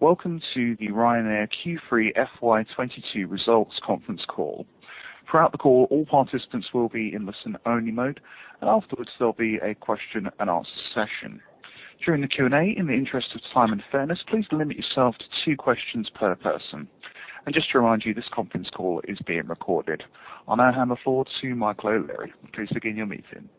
Welcome to the Ryanair Q3 FY 2022 Results Conference Call. Throughout the call, all participants will be in listen-only mode, and afterwards there'll be a question and answer session. During the Q&A, in the interest of time and fairness, please limit yourself to two questions per person. Just to remind you, this conference call is being recorded. I'll now hand the floor to Michael O'Leary. Please begin your meeting.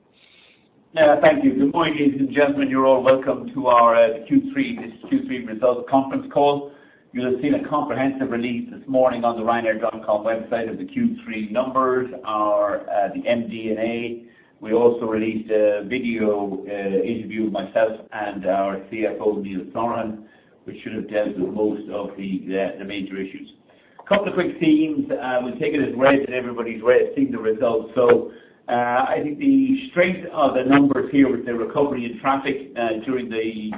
Yeah, thank you. Good morning, ladies and gentlemen. You're all welcome to our Q3 Results Conference Call. You'll have seen a comprehensive release this morning on the ryanair.com website of the Q3 numbers, our MD&A. We also released a video interview of myself and our CFO, Neil Sorahan, which should have dealt with most of the major issues. Couple of quick themes. We've taken as read that everybody's read, seen the results. I think the strength of the numbers here was the recovery in traffic during the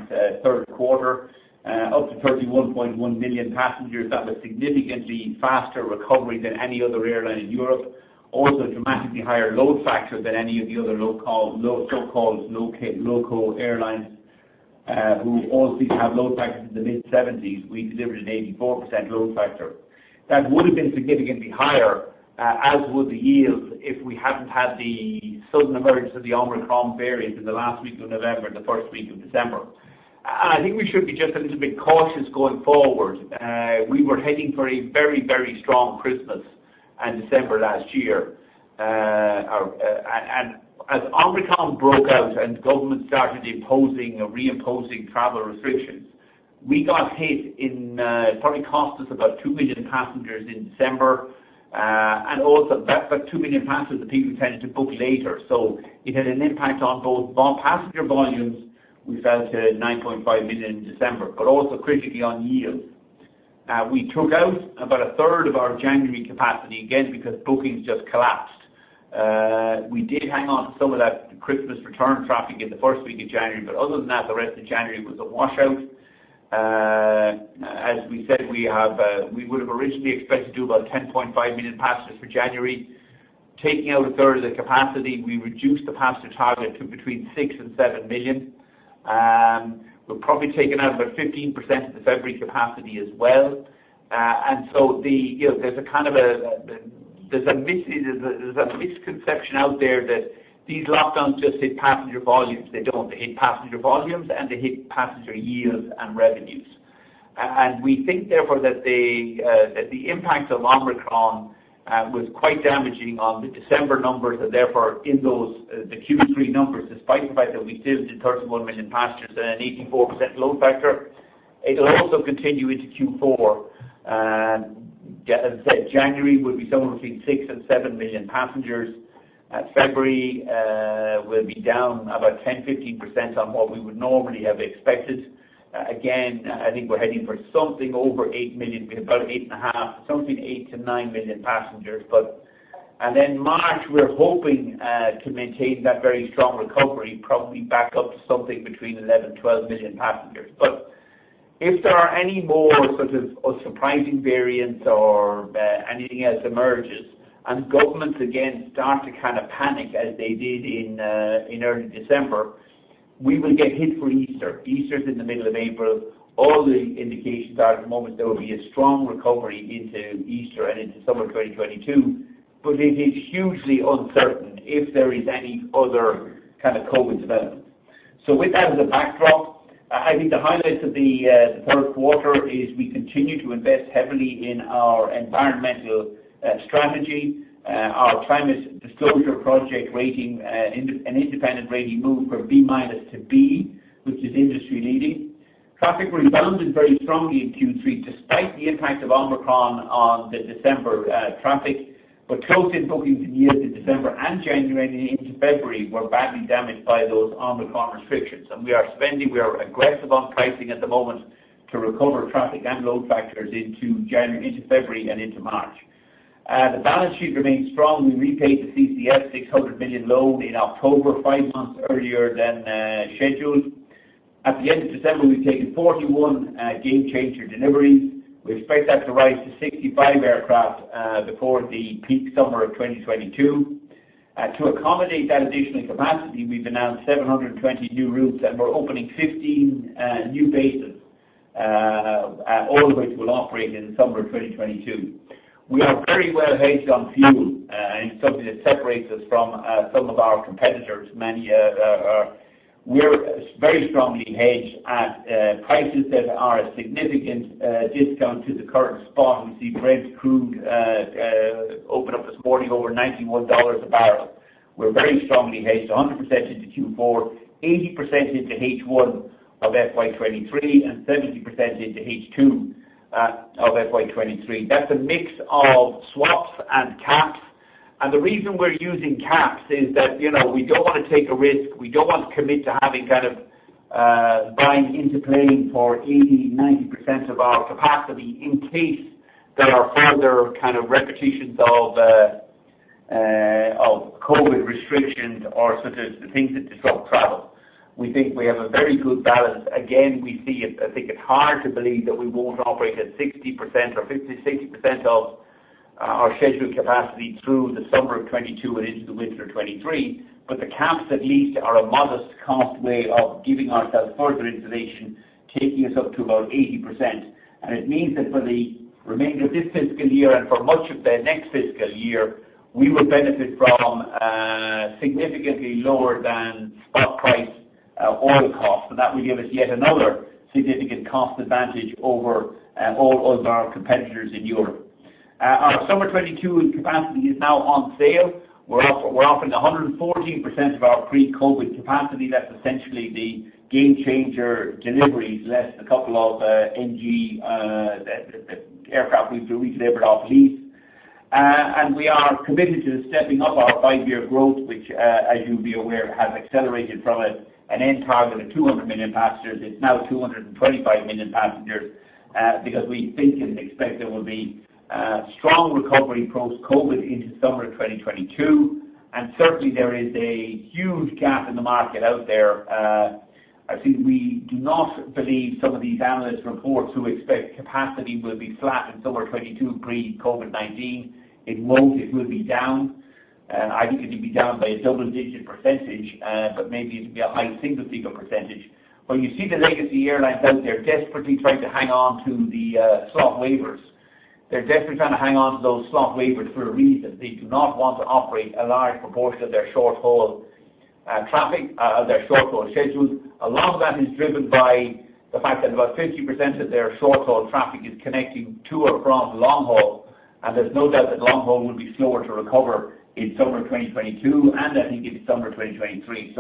third quarter up to 31.1 million passengers. That was significantly faster recovery than any other airline in Europe. Also, dramatically higher load factor than any of the other low-cost so-called low-cost airlines who also have load factors in the mid-70s. We delivered an 84% load factor. That would've been significantly higher, as would the yield, if we hadn't had the sudden emergence of the Omicron variant in the last week of November and the first week of December. I think we should be just a little bit cautious going forward. We were heading for a very, very strong Christmas and December last year. As Omicron broke out and governments started imposing or reimposing travel restrictions, we got hit. It probably cost us about 2 million passengers in December. Also that's about 2 million passengers of people who tend to book later. So it had an impact on both passenger volumes, we fell to 9.5 million in December, but also critically on yield. We took out about a third of our January capacity, again, because bookings just collapsed. We did hang on to some of that Christmas return traffic in the first week of January, but other than that, the rest of January was a washout. As we said, we would've originally expected to do about 10.5 million passengers for January. Taking out a third of the capacity, we reduced the passenger target to between 6 million and 7 million. We're probably taking out about 15% of February capacity as well. You know, there's a misconception out there that these lockdowns just hit passenger volumes. They don't. They hit passenger volumes, and they hit passenger yields and revenues. We think therefore that the impact of Omicron was quite damaging on the December numbers and therefore in those the Q3 numbers, despite the fact that we still did 31 million passengers and an 84% load factor. It'll also continue into Q4. As I said, January will be somewhere between 6-7 million passengers. February will be down about 10-15% on what we would normally have expected. Again, I think we're heading for something over 8 million, about 8.5, something 8-9 million passengers. March we're hoping to maintain that very strong recovery, probably back up to something between 11-12 million passengers. If there are any more sort of surprising variants or anything else emerges and governments again start to kind of panic as they did in early December, we will get hit for Easter. Easter's in the middle of April. All the indications are at the moment there will be a strong recovery into Easter and into summer 2022, but it is hugely uncertain if there is any other kind of COVID development. With that as a backdrop, I think the highlights of the third quarter is we continue to invest heavily in our environmental strategy. Our climate disclosure project rating, an independent rating move from B minus to B, which is industry-leading. Traffic rebounded very strongly in Q3 despite the impact of Omicron on the December traffic. Close-in bookings in yield to December and January and into February were badly damaged by those Omicron restrictions. We are aggressive on pricing at the moment to recover traffic and load factors into February and into March. The balance sheet remains strong. We repaid the CCFF 600 million loan in October, five months earlier than scheduled. At the end of December, we've taken 41 Gamechanger deliveries. We expect that to rise to 65 aircraft before the peak summer of 2022. To accommodate that additional capacity, we've announced 720 new routes, and we're opening 15 new bases, all of which will operate in the summer of 2022. We are very well hedged on fuel, and it's something that separates us from some of our competitors. We're very strongly hedged at prices that are a significant discount to the current spot. We see Brent Crude open up this morning over $91 a barrel. We're very strongly hedged 100% into Q4, 80% into H1 of FY 2023, and 30% into H2 of FY 2023. That's a mix of swaps and caps, and the reason we're using caps is that, you know, we don't want to take a risk. We don't want to commit to having kind of buying fuel for 80%, 90% of our capacity in case there are further kind of repetitions of COVID restrictions or such as the things that disrupt travel. We think we have a very good balance. Again, we see it. I think it's hard to believe that we won't operate at 60% or 50%, 60% of our scheduled capacity through the summer of 2022 and into the winter of 2023. The caps at least are a modest cost way of giving ourselves further insulation, taking us up to about 80%. It means that for the remainder of this fiscal year and for much of the next fiscal year, we will benefit from significantly lower than spot price oil costs. That will give us yet another significant cost advantage over all other competitors in Europe. Our summer 2022 capacity is now on sale. We're offering 114% of our pre-COVID capacity. That's essentially the Gamechanger deliveries, less a couple of NG that aircraft we've delivered off-lease. We are committed to stepping up our five-year growth, which, as you'll be aware, has accelerated from an end target of 200 million passengers. It's now 225 million passengers, because we think and expect there will be strong recovery post-COVID into summer 2022. Certainly, there is a huge gap in the market out there. I think we do not believe some of these analyst reports who expect capacity will be flat in summer 2022 pre-COVID-19. It won't, it will be down. I think it will be down by a double-digit percentage, but maybe it will be a high single-figure percentage. When you see the legacy airlines out there desperately trying to hang on to the slot waivers. They're desperately trying to hang on to those slot waivers for a reason. They do not want to operate a large proportion of their short-haul traffic, their short-haul schedules. A lot of that is driven by the fact that about 50% of their short-haul traffic is connecting to or from long haul, and there's no doubt that long haul will be slower to recover in summer 2022, and I think into summer 2023.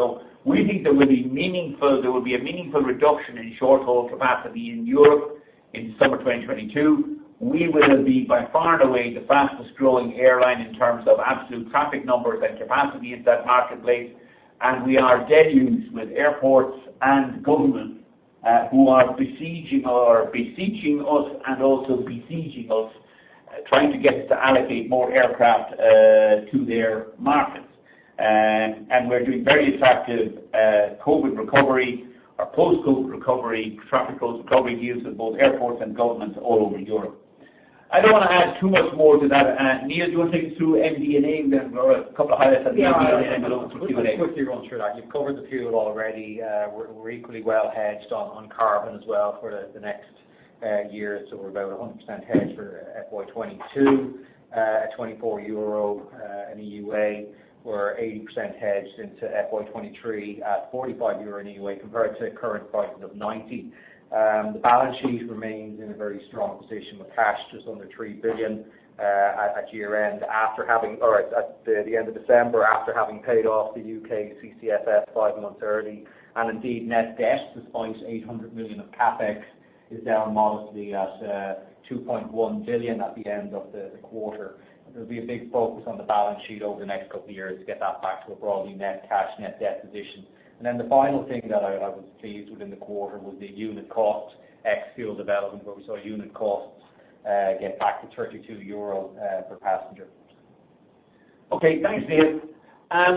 We think there will be a meaningful reduction in short-haul capacity in Europe in summer 2022. We will be by far and away the fastest growing airline in terms of absolute traffic numbers and capacity in that marketplace. We are deluged with airports and governments who are besieging or beseeching us and also besieging us, trying to get us to allocate more aircraft to their markets. We're doing very effective COVID recovery or post-COVID recovery, traffic growth recovery deals with both airports and governments all over Europe. I don't want to add too much more to that. Neil, do you want to take us through MD&A then? Or a couple of highlights Yeah. I'll quickly run through that. You've covered the fuel already. We're equally well hedged on carbon as well for the next year. We're about 100% hedged for FY 2022 at 24 euro in EUA. We're 80% hedged into FY 2023 at 45 euro in EUA compared to current prices of 90. The balance sheet remains in a very strong position with cash just under 3 billion at the end of December, after having paid off the UK CCFF five months early. Indeed, net debt despite 800 million of CapEx is down modestly at 2.1 billion at the end of the quarter. There'll be a big focus on the balance sheet over the next couple of years to get that back to a broadly net cash, net debt position. Then the final thing that I was pleased with in the quarter was the unit cost ex fuel development, where we saw unit costs get back to 32 euro per passenger. Okay, thanks, Neil.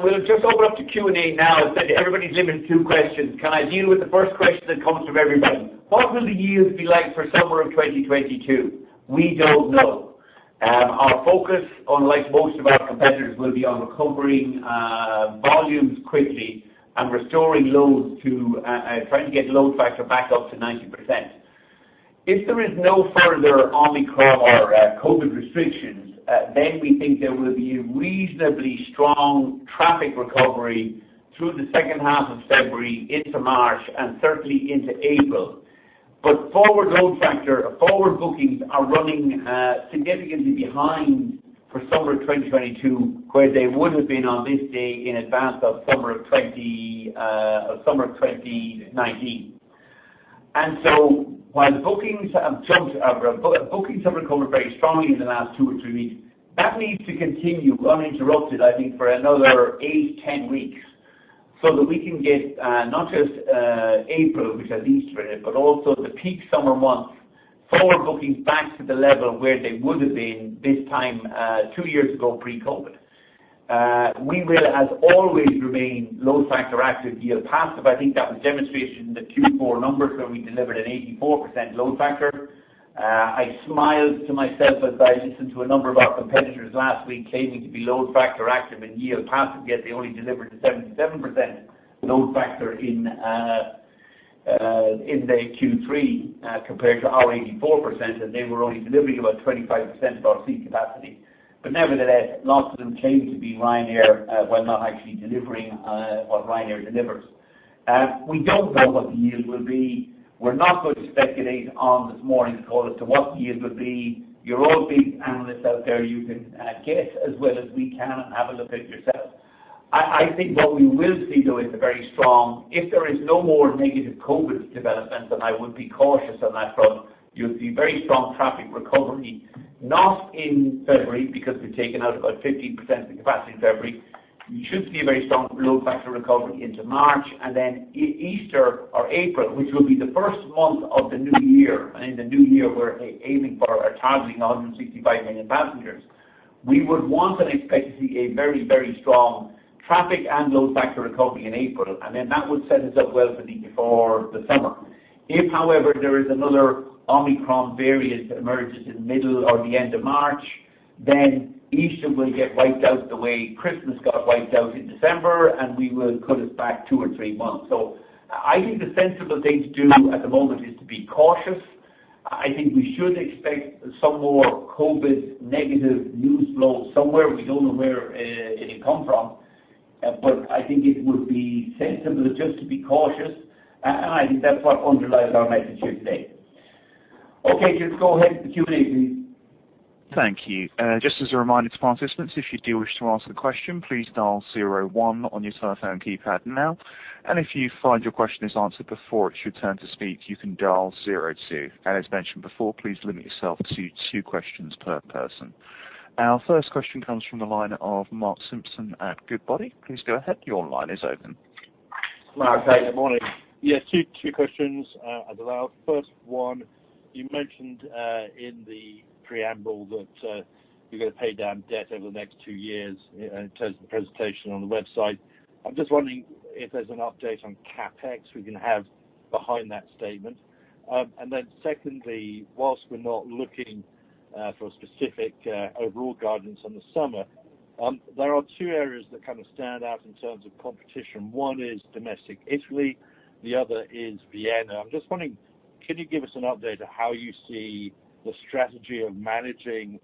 We'll just open up to Q&A now. As I said, everybody's limited to two questions. Can I deal with the first question that comes from everybody? What will the yields be like for summer of 2022? We don't know. Our focus, unlike most of our competitors, will be on recovering volumes quickly and restoring loads, trying to get load factor back up to 90%. If there is no further Omicron or COVID restrictions, then we think there will be a reasonably strong traffic recovery through the second half of February into March and certainly into April. Forward load factor, forward bookings are running significantly behind for summer 2022, where they would have been on this day in advance of summer of 2019. While bookings have jumped, bookings have recovered very strongly in the last two or three weeks. That needs to continue uninterrupted, I think, for another eight, 10 weeks so that we can get not just April, which has Easter in it, but also the peak summer months forward bookings back to the level where they would have been this time two years ago pre-COVID. We will, as always, remain load factor active, yield passive. I think that was demonstrated in the Q4 numbers where we delivered an 84% load factor. I smiled to myself as I listened to a number of our competitors last week claiming to be load factor active and yield passive, yet they only delivered a 77% load factor in their Q3 compared to our 84%, and they were only delivering about 25% of our seat capacity. Nevertheless, lots of them claiming to be Ryanair while not actually delivering what Ryanair delivers. We don't know what the yields will be. We're not going to speculate on this morning's call as to what the yields will be. You're all big analysts out there. You can guess as well as we can and have a look at it yourself. I think what we will see, though, is a very strong... If there is no more negative COVID developments, and I would be cautious on that front, you'll see very strong traffic recovery, not in February, because we've taken out about 15% of the capacity in February. You should see a very strong load factor recovery into March and then Easter or April, which will be the first month of the new year. In the new year, we're aiming for or targeting 165 million passengers. We would want and expect to see a very, very strong traffic and load factor recovery in April, and then that would set us up well for the summer. If however, there is another Omicron variant that emerges in the middle or the end of March, then Easter will get wiped out the way Christmas got wiped out in December, and we will put us back two or three months. I think the sensible thing to do at the moment is to be cautious. I think we should expect some more COVID negative news flow somewhere. We don't know where it will come from, but I think it would be sensible just to be cautious, and I think that's what underlies our message here today. Okay, just go ahead with the Q&A, please. Thank you. Just as a reminder to participants, if you do wish to ask the question, please dial zero one on your telephone keypad now. If you find your question is answered before it's your turn to speak, you can dial zero two. As mentioned before, please limit yourself to two questions per person. Our first question comes from the line of Mark Simpson at Goodbody. Please go ahead. Your line is open. Mark, go ahead. Good morning. Yes, two questions, if allowed. First one, you mentioned in the preamble that you're gonna pay down debt over the next two years in terms of the presentation on the website. I'm just wondering if there's an update on CapEx we can have behind that statement. And then secondly, while we're not looking for specific overall guidance on the summer, there are two areas that kind of stand out in terms of competition. One is domestic Italy, the other is Vienna. I'm just wondering, can you give us an update of how you see the strategy of managing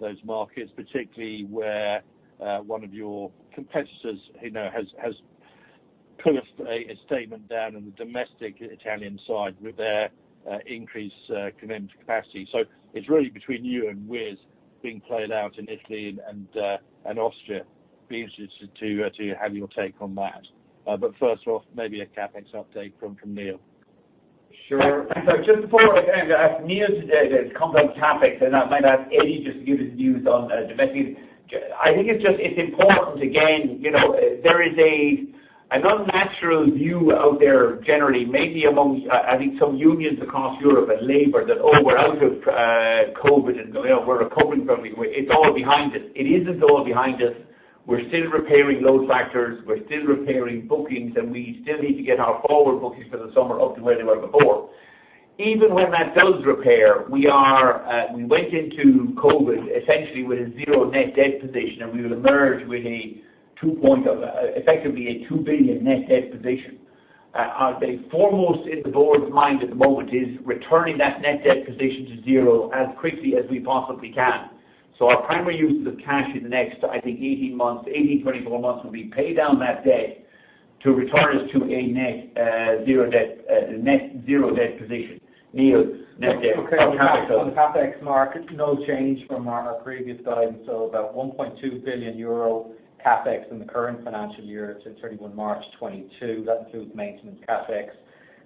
those markets, particularly where one of your competitors, you know, has put a statement down in the domestic Italian side with their increased commitment to capacity? It's really between you and Wizz being played out in Italy and Austria. Be interested to have your take on that. First off, maybe a CapEx update from Neil. Sure. Just before I hand to Neil to ask the complex topics today, and I might ask Eddie just to give his views on domestic. I think it's important, again, you know, there is an unnatural view out there generally, maybe amongst I think some unions across Europe and labor, that, "Oh, we're out of COVID, and, you know, we're recovering from it. It's all behind us." It isn't all behind us. We're still repairing load factors. We're still repairing bookings, and we still need to get our forward bookings for the summer up to where they were before. Even when that does repair, we went into COVID essentially with a zero net debt position, and we will emerge with effectively a 2 billion net debt position. The foremost in the board's mind at the moment is returning that net debt position to zero as quickly as we possibly can. Our primary uses of cash in the next, I think, 18-24 months will be pay down that debt to return us to a net zero debt position. Neil, net debt on CapEx. Okay. On CapEx markets, no change from our previous guidance, so about 1.2 billion euro CapEx in the current financial year to March 31, 2022. That includes maintenance CapEx.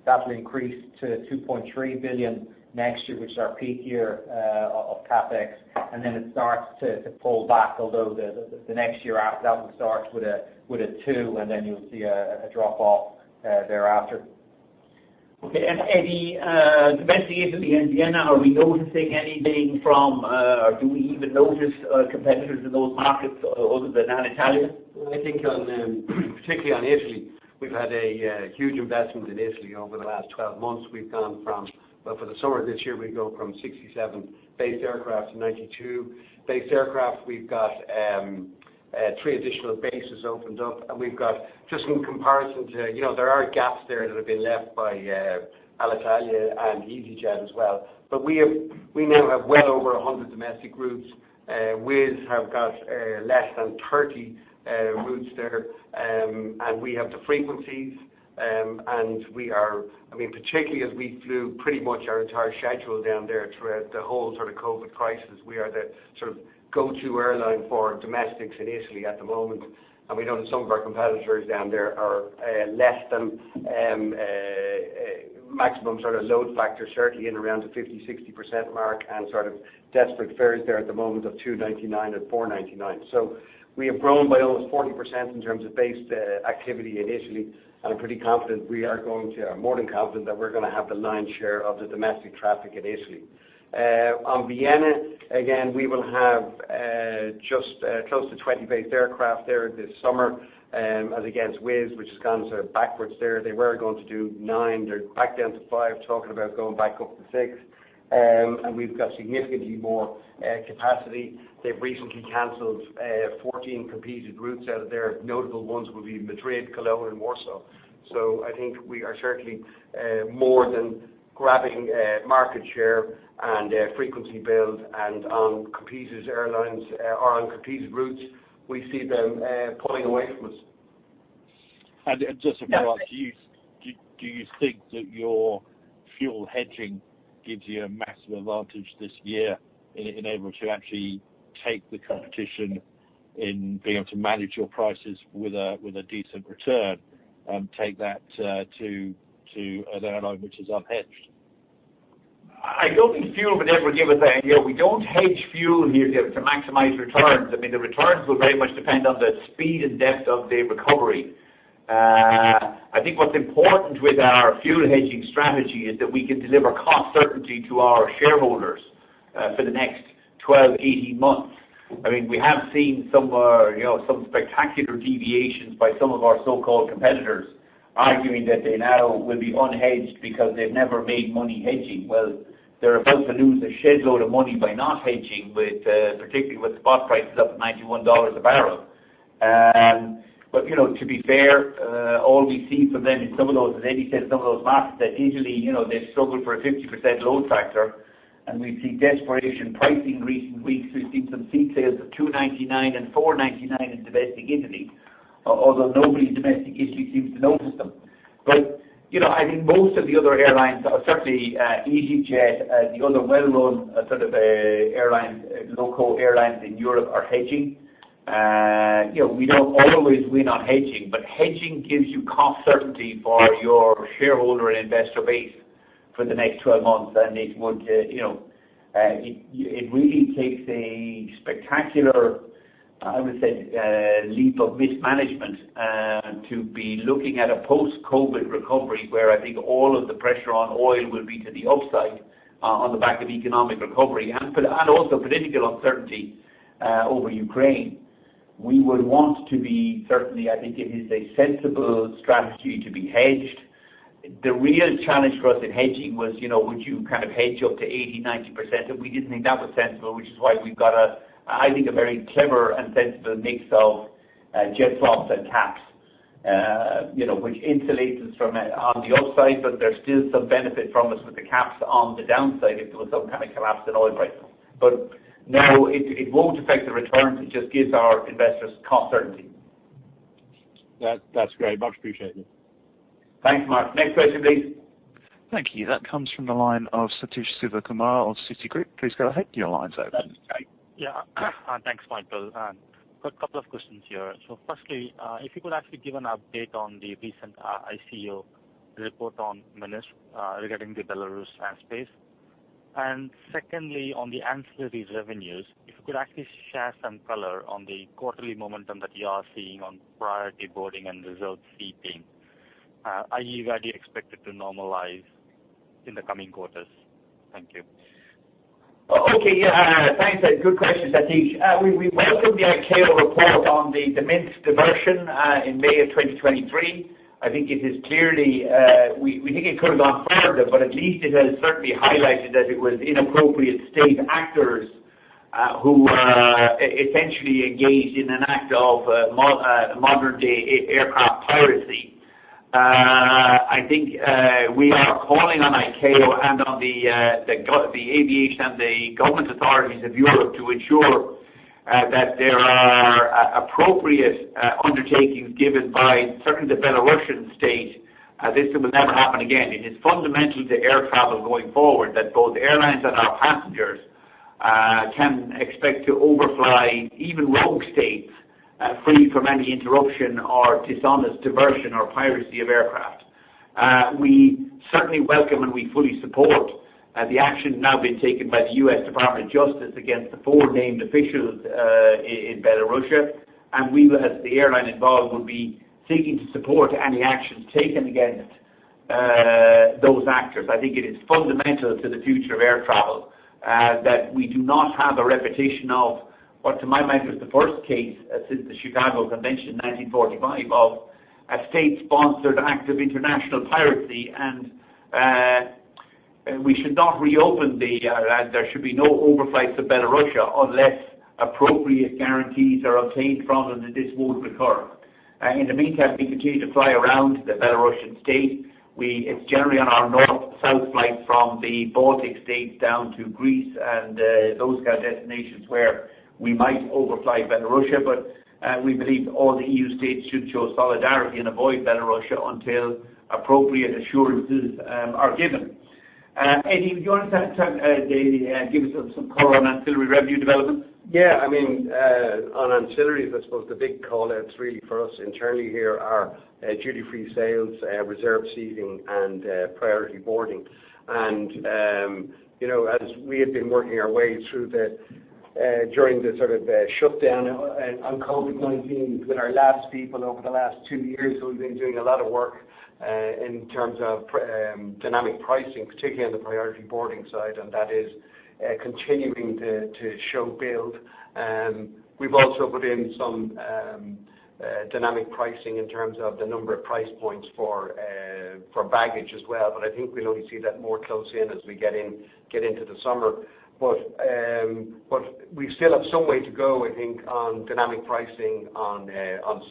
That'll increase to 2.3 billion next year, which is our peak year of CapEx. It starts to pull back, although the next year after that one starts with a two, and then you'll see a drop-off thereafter. Okay. Eddie, domestic Italy and Vienna, are we noticing anything from, or do we even notice, competitors in those markets other than Alitalia? I think on particularly on Italy, we've had a huge investment in Italy over the last 12 months. We've gone from, for the summer this year, 67 based aircraft to 92 based aircraft. We've got three additional bases opened up, and we've got just in comparison to, you know, there are gaps there that have been left by Alitalia and easyJet as well. But we now have well over 100 domestic routes. Wizz have got less than 30 routes there. And we have the frequencies. And we are, I mean, particularly as we flew pretty much our entire schedule down there throughout the whole sort of COVID crisis. We are the sort of go-to airline for domestics in Italy at the moment. We know that some of our competitors down there are less than maximum sort of load factors, certainly in around the 50%-60% mark and sort of desperate fares there at the moment of €299 and €499. We have grown by almost 40% in terms of based activity in Italy. I'm pretty confident we are going to, or more than confident that we're gonna have the lion's share of the domestic traffic in Italy. On Vienna, again, we will have just close to 20 based aircraft there this summer, as against Wizz Air, which has gone sort of backwards there. They were going to do nine. They're back down to five, talking about going back up to six. We've got significantly more capacity. They've recently canceled 14 competed routes out of there. Notable ones will be Madrid, Cologne, and Warsaw. I think we are certainly more than grabbing market share and frequency build. On competed airlines or on competed routes, we see them pulling away from us. Just a follow-up. Do you think that your fuel hedging gives you a massive advantage this year in being able to actually take on the competition in being able to manage your prices with a decent return, take that to an airline which is unhedged? I don't think fuel would ever give us the idea. We don't hedge fuel here to maximize returns. I mean, the returns will very much depend on the speed and depth of the recovery. I think what's important with our fuel hedging strategy is that we can deliver cost certainty to our shareholders for the next 12-18 months. I mean, we have seen some spectacular deviations by some of our so-called competitors arguing that they now will be unhedged because they've never made money hedging. Well, they're about to lose a shed load of money by not hedging with particularly with spot prices up at $91 a barrel. You know, to be fair, all we see from them in some of those, as Eddie said, some of those maps that easyJet, you know, they've struggled for a 50% load factor, and we've seen desperation pricing recent weeks. We've seen some seat sales of €2.99 and €4.99 in domestic Italy, although nobody in domestic Italy seems to notice them. You know, I think most of the other airlines, certainly, easyJet, the other well-known sort of, airlines, local airlines in Europe are hedging. You know, we don't always. We're not hedging, but hedging gives you cost certainty for your shareholder and investor base for the next 12 months. It would, you know. It really takes a spectacular, I would say, leap of mismanagement to be looking at a post-COVID recovery where I think all of the pressure on oil will be to the upside on the back of economic recovery and also political uncertainty over Ukraine. We would want to be certainly, I think it is a sensible strategy to be hedged. The real challenge for us in hedging was, you know, would you kind of hedge up to 80%-90%? We didn't think that was sensible, which is why we've got a, I think, a very clever and sensible mix of jet swaps and caps, you know, which insulates us from on the upside, but there's still some benefit from us with the caps on the downside if there was some kind of collapse in oil price. It won't affect the returns. It just gives our investors cost certainty. That's great. Much appreciated. Thanks, Mark. Next question, please. Thank you. That comes from the line of Sathish Sivakumar of Citigroup. Please go ahead. Your line's open. Yeah. Thanks, Michael. Got a couple of questions here. Firstly, if you could actually give an update on the recent ICAO report on Minsk regarding the Belarus airspace. Secondly, on the ancillary revenues, if you could actually share some color on the quarterly momentum that you are seeing on priority boarding and reserved seating. Are you expected to normalize in the coming quarters? Thank you. Thanks. Good questions, Sathish. We welcome the ICAO report on the Minsk diversion in May 2023. I think it is clearly. We think it could have gone further, but at least it has certainly highlighted that it was inappropriate state actors who essentially engaged in an act of modern-day aircraft piracy. I think we are calling on ICAO and on the aviation and the government authorities of Europe to ensure that there are appropriate undertakings given by certainly the Belarusian state this will never happen again. It is fundamental to air travel going forward that both airlines and our passengers can expect to overfly even rogue states free from any interruption or dishonest diversion or piracy of aircraft. We certainly welcome and we fully support the action now being taken by the U.S. Department of Justice against the four named officials in Belarus. We will, as the airline involved, be seeking to support any actions taken against those actors. I think it is fundamental to the future of air travel that we do not have a repetition of what, to my mind, was the first case since the Chicago Convention in 1945 of a state-sponsored act of international piracy. There should be no overflights of Belarus unless appropriate guarantees are obtained from them that this won't recur. In the meantime, we continue to fly around the Belarusian state. It's generally on our North-South flight from the Baltic States down to Greece and those kind of destinations where we might overfly Belarus. We believe all the EU states should show solidarity and avoid Belarus until appropriate assurances are given. Eddie, do you want to give us some color on ancillary revenue development? Yeah. I mean, on ancillaries, I suppose the big call-outs really for us internally here are duty-free sales, reserved seating, and priority boarding. You know, as we have been working our way through the sort of shutdown on COVID-19 with our labs people over the last two years, we've been doing a lot of work in terms of dynamic pricing, particularly on the priority boarding side, and that is continuing to show build. We've also put in some dynamic pricing in terms of the number of price points for baggage as well. I think we'll only see that more close in as we get into the summer. We still have some way to go, I think, on dynamic pricing on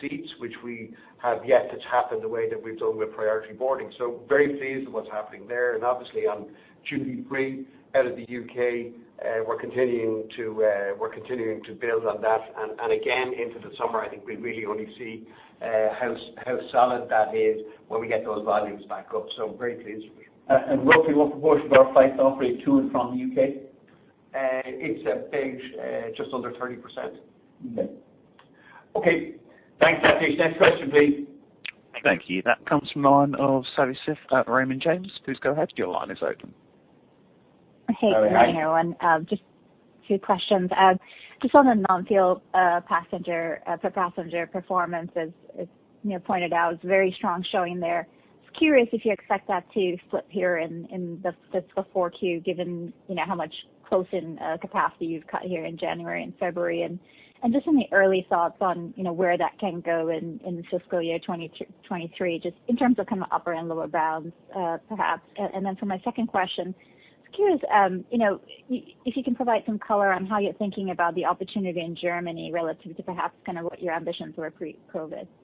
seats, which we have yet to tap in the way that we've done with priority boarding. Very pleased with what's happening there. Obviously on duty-free out of the U.K., we're continuing to build on that. Again, into the summer, I think we really only see how solid that is when we get those volumes back up. Very pleased with it. Roughly what proportion of our flights operate to and from the U.K.? It's a big, just under 30%. Okay. Thanks, Sathish. Next question, please. Thank you. That comes from the line of Savanthi Syth at Raymond James. Please go ahead. Your line is open. Hey. Good morning, everyone. Just two questions. Just on the non-fuel passenger per passenger performance, as Neil pointed out, it's a very strong showing there. Just curious if you expect that to slip here in the fiscal 4Q, given, you know, how much close-in capacity you've cut here in January and February. And just some of the early thoughts on, you know, where that can go in fiscal year 2023, just in terms of kind of upper and lower bounds, perhaps. And then for my second question, just curious, you know, if you can provide some color on how you're thinking about the opportunity in Germany relative to perhaps kind of what your ambitions were pre-COVID. Thanks. Okay. Well, Tracey McCann,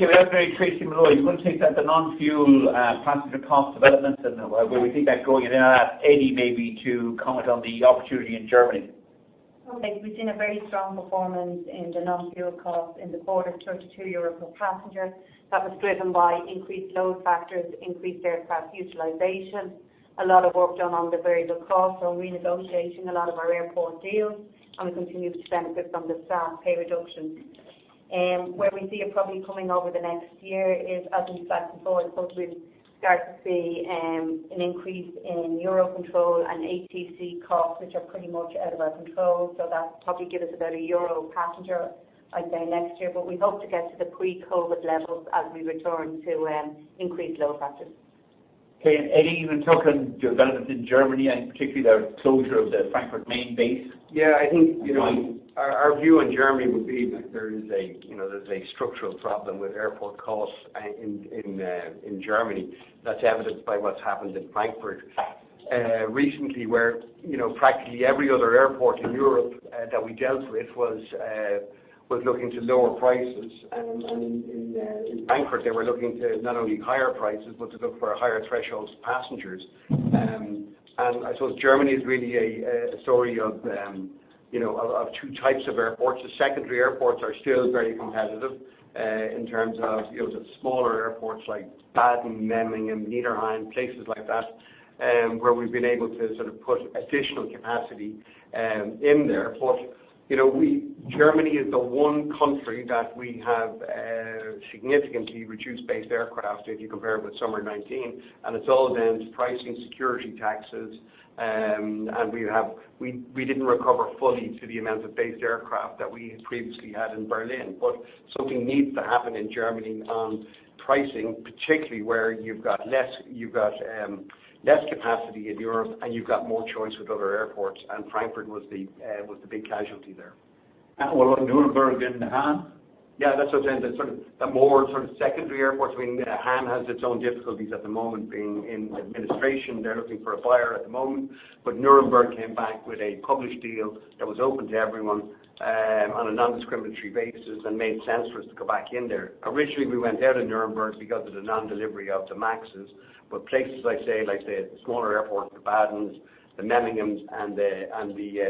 you want to take that, the non-fuel, passenger cost development and, where we see that going, and then I'll ask Eddie maybe to comment on the opportunity in Germany. Okay. We've seen a very strong performance in the non-fuel costs in the quarter, 32 euro per passenger. That was driven by increased load factors, increased aircraft utilization, a lot of work done on the variable costs on renegotiating a lot of our airport deals, and we continue to benefit from the staff pay reductions. Where we see it probably coming over the next year is, as we slide forward, I suppose we'll start to see an increase in Eurocontrol and ATC costs, which are pretty much out of our control. So that'll probably give us about EUR 1 passenger, I'd say, next year. We hope to get to the pre-COVID levels as we return to increased load factors. Okay. Eddie, you can talk on your development in Germany and particularly the closure of the Frankfurt main base. Yeah, I think, you know. Go on. Our view on Germany would be that, you know, there's a structural problem with airport costs in Germany. That's evidenced by what's happened in Frankfurt recently, where, you know, practically every other airport in Europe that we dealt with was looking to lower prices. In Frankfurt, they were looking to not only higher prices but to look for higher thresholds passengers. I suppose Germany is really a story of two types of airports. The secondary airports are still very competitive in terms of, you know, the smaller airports like Baden, Memmingen, Niederrhein, places like that, where we've been able to sort of put additional capacity in there. You know, Germany is the one country that we have significantly reduced based aircraft if you compare it with summer 2019, and it's all down to pricing security taxes. We didn't recover fully to the amount of based aircraft that we had previously had in Berlin. Something needs to happen in Germany on pricing, particularly where you've got less capacity in Europe, and you've got more choice with other airports. Frankfurt was the big casualty there. What about Nuremberg and Hahn? Yeah. That's what I'm saying. The more sort of secondary airports, I mean, Hahn has its own difficulties at the moment being in administration. They're looking for a buyer at the moment. Nuremberg came back with a published deal that was open to everyone on a non-discriminatory basis and made sense for us to go back in there. Originally, we went out of Nuremberg because of the non-delivery of the MAXs. Places, like I say, like the smaller airports, the Badens, the Memmingens, and the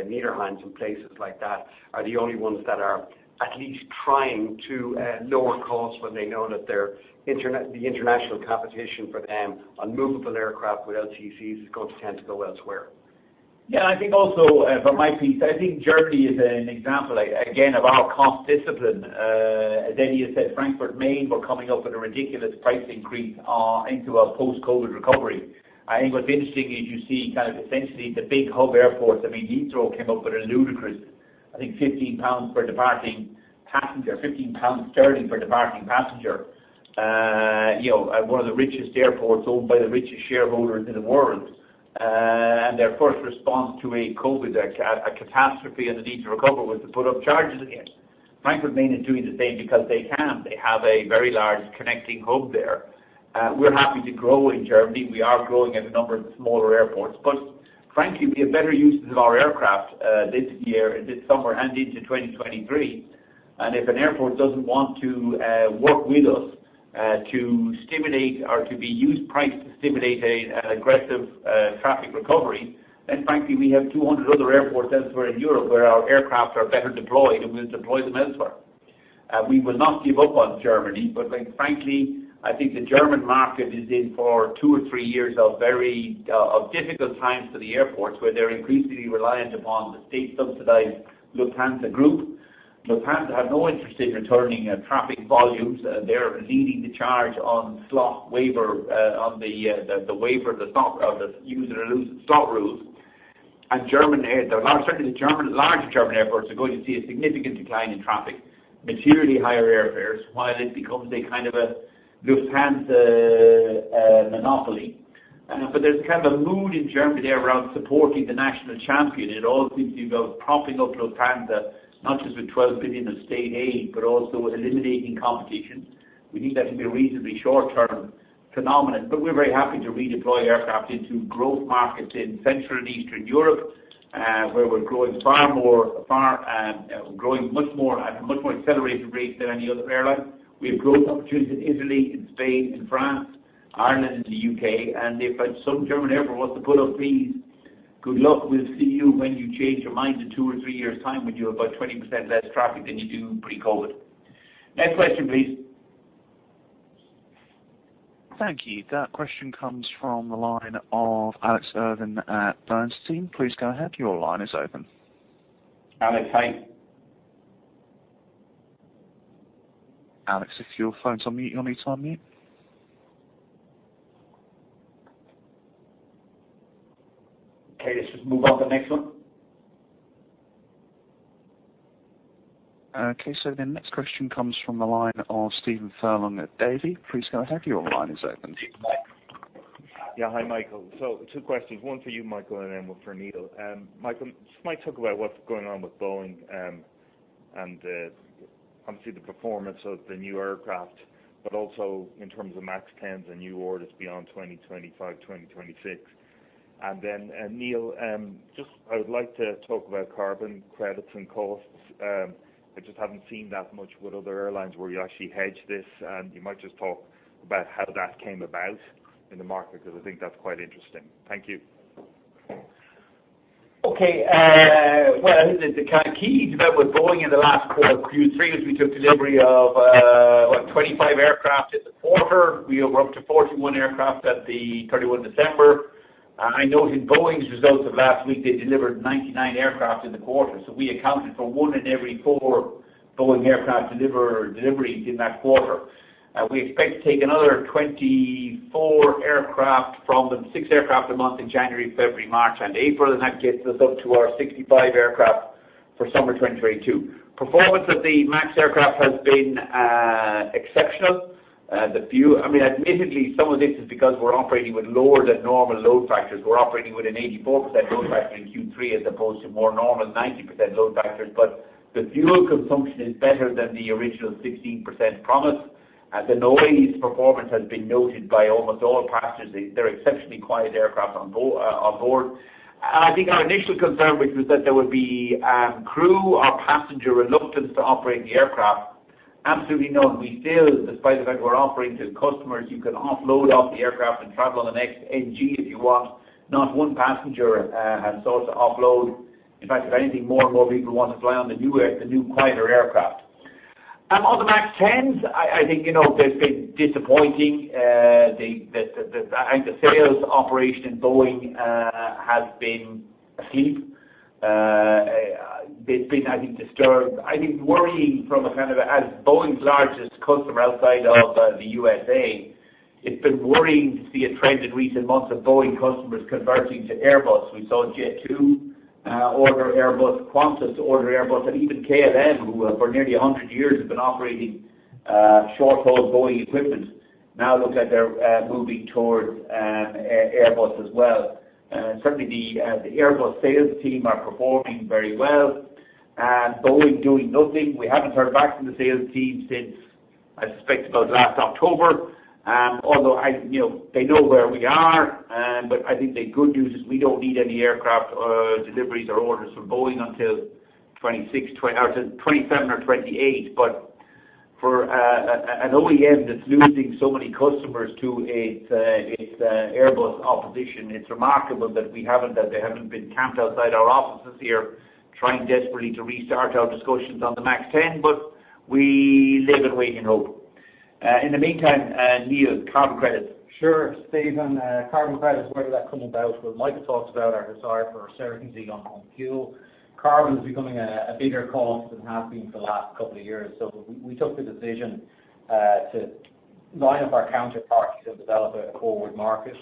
Niederrhein and places like that are the only ones that are at least trying to lower costs when they know that the international competition for them on movable aircraft with LCCs is going to tend to go elsewhere. Yeah. I think also, from my piece, I think Germany is an example again of our cost discipline. As Eddie has said, Frankfurt Main were coming up with a ridiculous price increase into a post-COVID recovery. I think what's interesting is you see kind of essentially the big hub airports. I mean, Heathrow came up with a ludicrous, I think 15 pounds per departing passenger, 15 sterling per departing passenger. You know, one of the richest airports owned by the richest shareholder in the world. Their first response to a COVID catastrophe and the need to recover was to put up charges again. Frankfurt Main is doing the same because they can. They have a very large connecting hub there. We're happy to grow in Germany. We are growing at a number of smaller airports. Frankly, we have better uses of our aircraft this year, this summer and into 2023. If an airport doesn't want to work with us to stimulate or use price to stimulate an aggressive traffic recovery, then frankly, we have 200 other airports elsewhere in Europe where our aircraft are better deployed, and we'll deploy them elsewhere. We will not give up on Germany, but like frankly, I think the German market is in for two or three years of very difficult times for the airports, where they're increasingly reliant upon the state-subsidized Lufthansa Group. Lufthansa have no interest in returning traffic volumes. They're leading the charge on slot waiver on the waiver, the slot, of the use it or lose it slot rules. Certainly the large German airports are going to see a significant decline in traffic, materially higher airfares, while it becomes a kind of a Lufthansa monopoly. There's kind of a mood in Germany there around supporting the national champion. It all seems to be about propping up Lufthansa, not just with 12 billion of state aid, but also eliminating competition. We think that can be a reasonably short-term phenomenon. We're very happy to redeploy aircraft into growth markets in Central and Eastern Europe, where we're growing far more, growing much more at a much more accelerated rate than any other airline. We have growth opportunities in Italy, in Spain, in France, Ireland, and the U.K. If some German airline wants to put up fees, good luck. We'll see you when you change your mind in two or three years' time when you have about 20% less traffic than you do pre-COVID. Next question, please. Thank you. That question comes from the line of Alex Irving at Bernstein. Please go ahead. Your line is open. Alex, Hi. Alex, if your phone's on mute, you'll need to unmute. Okay. Let's just move on to the next one. Okay. The next question comes from the line of Stephen Furlong at Davy. Please go ahead. Your line is open. Yeah. Hi, Michael. Two questions. One for you, Michael, and then one for Neil. Michael, just to talk about what's going on with Boeing, and obviously the performance of the new aircraft, but also in terms of MAX 10s and new orders beyond 2025, 2026. Neil, I would like to talk about carbon credits and costs. I just haven't seen that much with other airlines where you actually hedge this, and you might just talk about how that came about in the market because I think that's quite interesting. Thank you. Okay. Well, the kind of key event with Boeing in the last Q3 is we took delivery of twenty-five aircraft in the quarter. We were up to 41 aircraft at 31 December. I noted Boeing's results of last week, they delivered 99 aircraft in the quarter. So we accounted for one in every four Boeing aircraft deliveries in that quarter. We expect to take another 24 aircraft from them, six aircraft a month in January, February, March and April, and that gets us up to our 65 aircraft for summer 2022. Performance of the MAX aircraft has been exceptional. I mean, admittedly, some of this is because we're operating with lower than normal load factors. We're operating with an 84% load factor in Q3 as opposed to more normal 90% load factors. The fuel consumption is better than the original 16% promise. The noise performance has been noted by almost all passengers. They're exceptionally quiet aircraft on board. I think our initial concern, which was that there would be crew or passenger reluctance to operate the aircraft, absolutely none. We still, despite the fact we're offering to customers, you can offload off the aircraft and travel on the next NG if you want. Not one passenger has sought to offload. In fact, if anything, more and more people want to fly on the new quieter aircraft. On the MAX 10s, I think, you know, they've been disappointing. The sales operation in Boeing has been asleep. They've been disturbed, I think. I think worrying from a kind of as Boeing's largest customer outside of the U.S.A., it's been worrying to see a trend in recent months of Boeing customers converting to Airbus. We saw Jet2 order Airbus, Qantas order Airbus, and even KLM, who for nearly 100 years have been operating short-haul Boeing equipment now look like they're moving towards Airbus as well. Certainly the Airbus sales team are performing very well. Boeing doing nothing. We haven't heard back from the sales team since, I suspect, about last October. You know, they know where we are. I think the good news is we don't need any aircraft deliveries or orders from Boeing until 2026 or to 2027 or 2028. For an OEM that's losing so many customers to its Airbus opposition, it's remarkable that they haven't been camped outside our offices here trying desperately to restart our discussions on the MAX 10. We live and wait in hope. In the meantime, Neil, carbon credits. Sure, Stephen. Carbon credits, where did that come about? Well, Michael talked about our desire for certainty on fuel. Carbon's becoming a bigger cost than it has been for the last couple of years. We took the decision to line up our counterparties and develop a forward market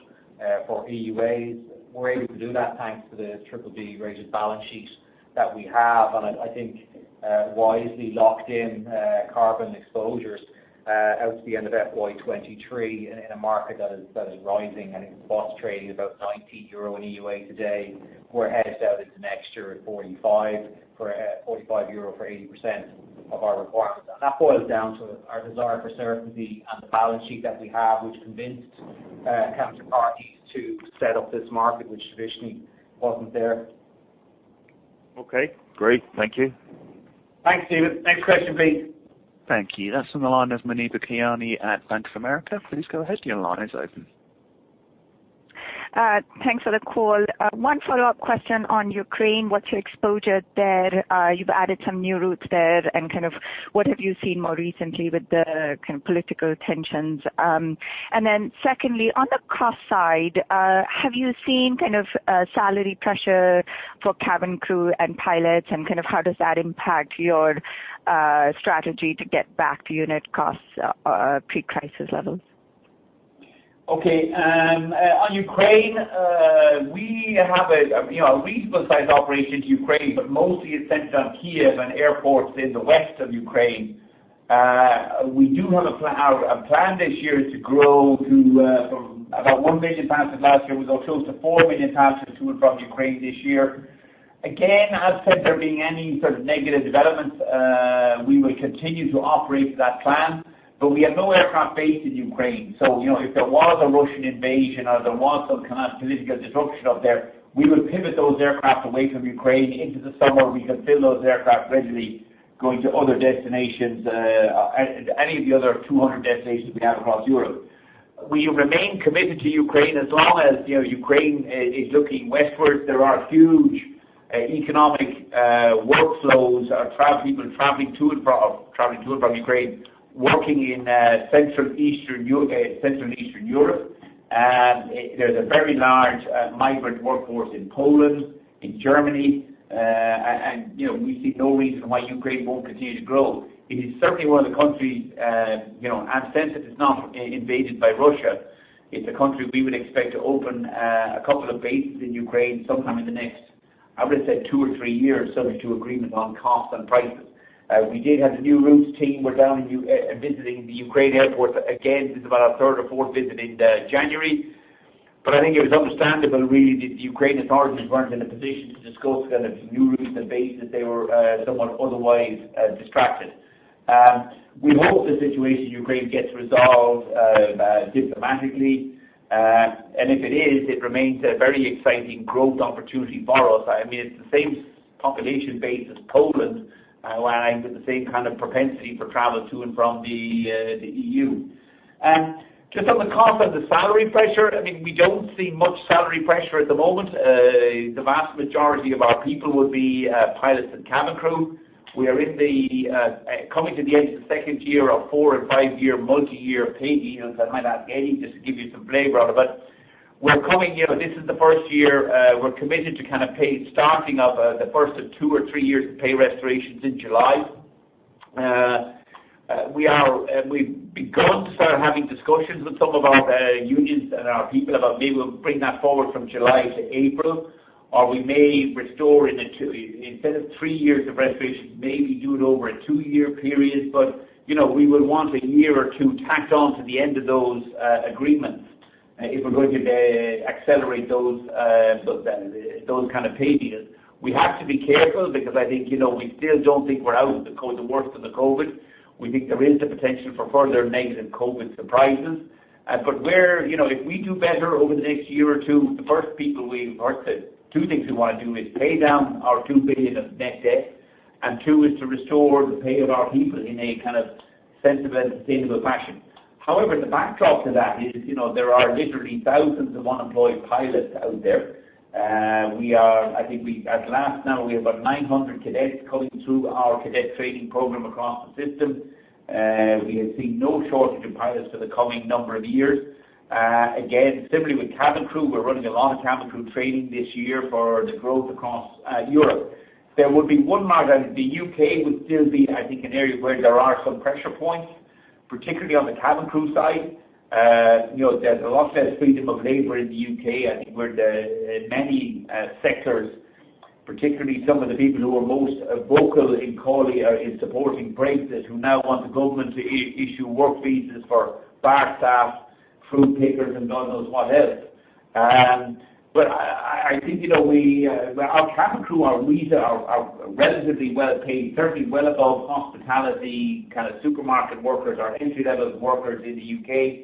for EUAs. We're able to do that thanks to the BBB rated balance sheet that we have, and I think wisely locked in carbon exposures out to the end of FY 2023 in a market that is rising. I think the spot's trading about 19 euro per EUA today. We're hedged out into next year at 45 EUR for 80% of our requirements. that boils down to our desire for certainty and the balance sheet that we have, which convinced counterparties to set up this market, which traditionally wasn't there. Okay. Great. Thank you. Thanks, Stephen. Next question please. Thank you. That's on the line of Muneeba Kayani at Bank of America. Please go ahead. Your line is open. Thanks for the call. One follow-up question on Ukraine. What's your exposure there? You've added some new routes there, and kind of what have you seen more recently with the kind of political tensions? And then secondly, on the cost side, have you seen kind of salary pressure for cabin crew and pilots? And kind of how does that impact your strategy to get back to unit costs pre-crisis levels? Okay. On Ukraine, we have you know a reasonable-sized operation to Ukraine, but mostly it's centered on Kyiv and airports in the west of Ukraine. Our plan this year is to grow from about 1 million passengers last year to close to 4 million passengers to and from Ukraine this year. Again, absent there being any sort of negative developments, we will continue to operate to that plan. We have no aircraft based in Ukraine. You know, if there was a Russian invasion or there was some kind of political disruption up there, we would pivot those aircraft away from Ukraine into the summer. We can fill those aircraft readily going to other destinations, any of the other 200 destinations we have across Europe. We remain committed to Ukraine as long as, you know, Ukraine is looking westward. There are huge economic workflows of people traveling to and from Ukraine, working in Central and Eastern Europe. There's a very large migrant workforce in Poland, in Germany. You know, we see no reason why Ukraine won't continue to grow. It is certainly one of the countries, you know, absent if it's not invaded by Russia. It's a country we would expect to open a couple of bases in Ukraine sometime in the next. I would have said two or three years subject to agreement on cost and prices. We did have the new routes team. We're down in Ukraine visiting the Ukraine airports. Again, this is about our third or fourth visit in January. I think it was understandable, really, that the Ukraine authorities weren't in a position to discuss kind of new routes and bases. They were somewhat otherwise distracted. We hope the situation in Ukraine gets resolved diplomatically. And if it is, it remains a very exciting growth opportunity for us. I mean, it's the same population base as Poland with the same kind of propensity for travel to and from the EU. Just on the cost of the salary pressure, I mean, we don't see much salary pressure at the moment. The vast majority of our people would be pilots and cabin crew. We are coming to the end of the second year of four- and five-year multi-year pay deals. I might ask Eddie just to give you some flavor on it. We're coming, you know, this is the first year, we're committed to kind of pay, starting up, the first of two or three years of pay restorations in July. We've begun to start having discussions with some of our unions and our people about maybe we'll bring that forward from July to April, or we may restore instead of three years of restoration, maybe do it over a two-year period. You know, we would want a year or two tacked on to the end of those agreements, if we're going to accelerate those kind of pay deals. We have to be careful because I think, you know, we still don't think we're out of the worst of the COVID. We think there is the potential for further negative COVID surprises. You know, if we do better over the next year or two, the two things we wanna do is pay down our 2 billion of net debt, and two is to restore the pay of our people in a kind of sensible and sustainable fashion. However, the backdrop to that is, you know, there are literally thousands of unemployed pilots out there. We are, I think. At last now, we have about 900 cadets coming through our cadet training program across the system. We have seen no shortage of pilots for the coming number of years. Again, similarly with cabin crew, we're running a lot of cabin crew training this year for the growth across Europe. There would be one market, the U.K. would still be, I think, an area where there are some pressure points, particularly on the cabin crew side. You know, there's a lot less freedom of labor in the U.K., I think, where the many sectors, particularly some of the people who are most vocal in calling or in supporting Brexit, who now want the government to issue work visas for bar staff, fruit pickers, and God knows what else. But I think, you know, we, our cabin crew are reasonably relatively well-paid, certainly well above hospitality, kind of supermarket workers or entry-level workers in the U.K.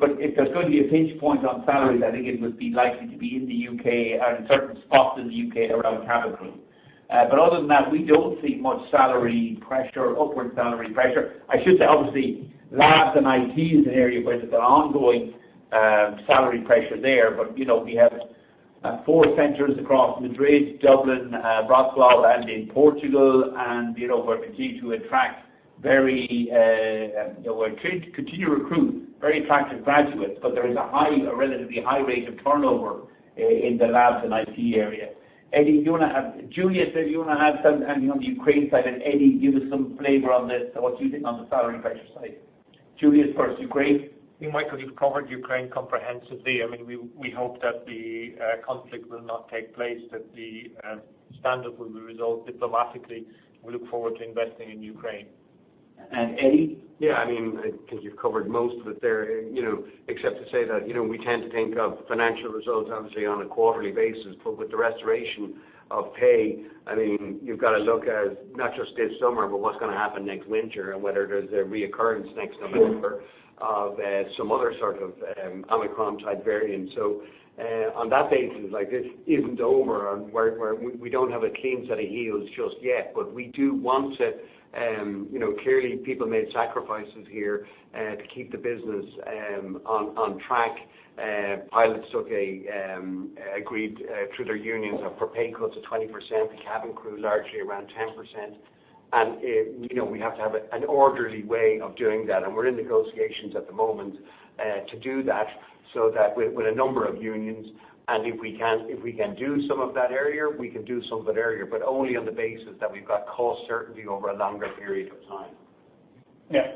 If there's going to be a pinch point on salaries, I think it would be likely to be in the U.K. and in certain spots in the U.K. around cabin crew. Other than that, we don't see much salary pressure, upward salary pressure. I should say, obviously, labs and IT is an area where there's an ongoing salary pressure there. You know, we have four centers across Madrid, Dublin, Wroclaw, and in Portugal. You know, we're continuing to attract very. You know, we're continue to recruit very attractive graduates. There is a relatively high rate of turnover in the labs and IT area. Eddie, do you want to have. Juliusz, did you want to have some, anything on the Ukraine side? Eddie, give us some flavor on this, what you think on the salary pressure side. Juliusz first, Ukraine. I think, Michael, you've covered Ukraine comprehensively. I mean, we hope that the conflict will not take place, that the standoff will be resolved diplomatically. We look forward to investing in Ukraine. Eddie? Yeah. I mean, I think you've covered most of it there, you know, except to say that, you know, we tend to think of financial results obviously on a quarterly basis. With the restoration of pay, I mean, you've got to look at not just this summer, but what's gonna happen next winter and whether there's a reoccurrence next November of some other sort of Omicron-type variant. On that basis, like this isn't over where we don't have a clean pair of heels just yet. We do want to, you know, clearly people made sacrifices here to keep the business on track. Pilots agreed through their unions for pay cuts of 20%. The cabin crew largely around 10%. You know, we have to have an orderly way of doing that, and we're in negotiations at the moment to do that with a number of unions. If we can do some of that earlier, we can do some of it earlier, but only on the basis that we've got cost certainty over a longer period of time. Yeah.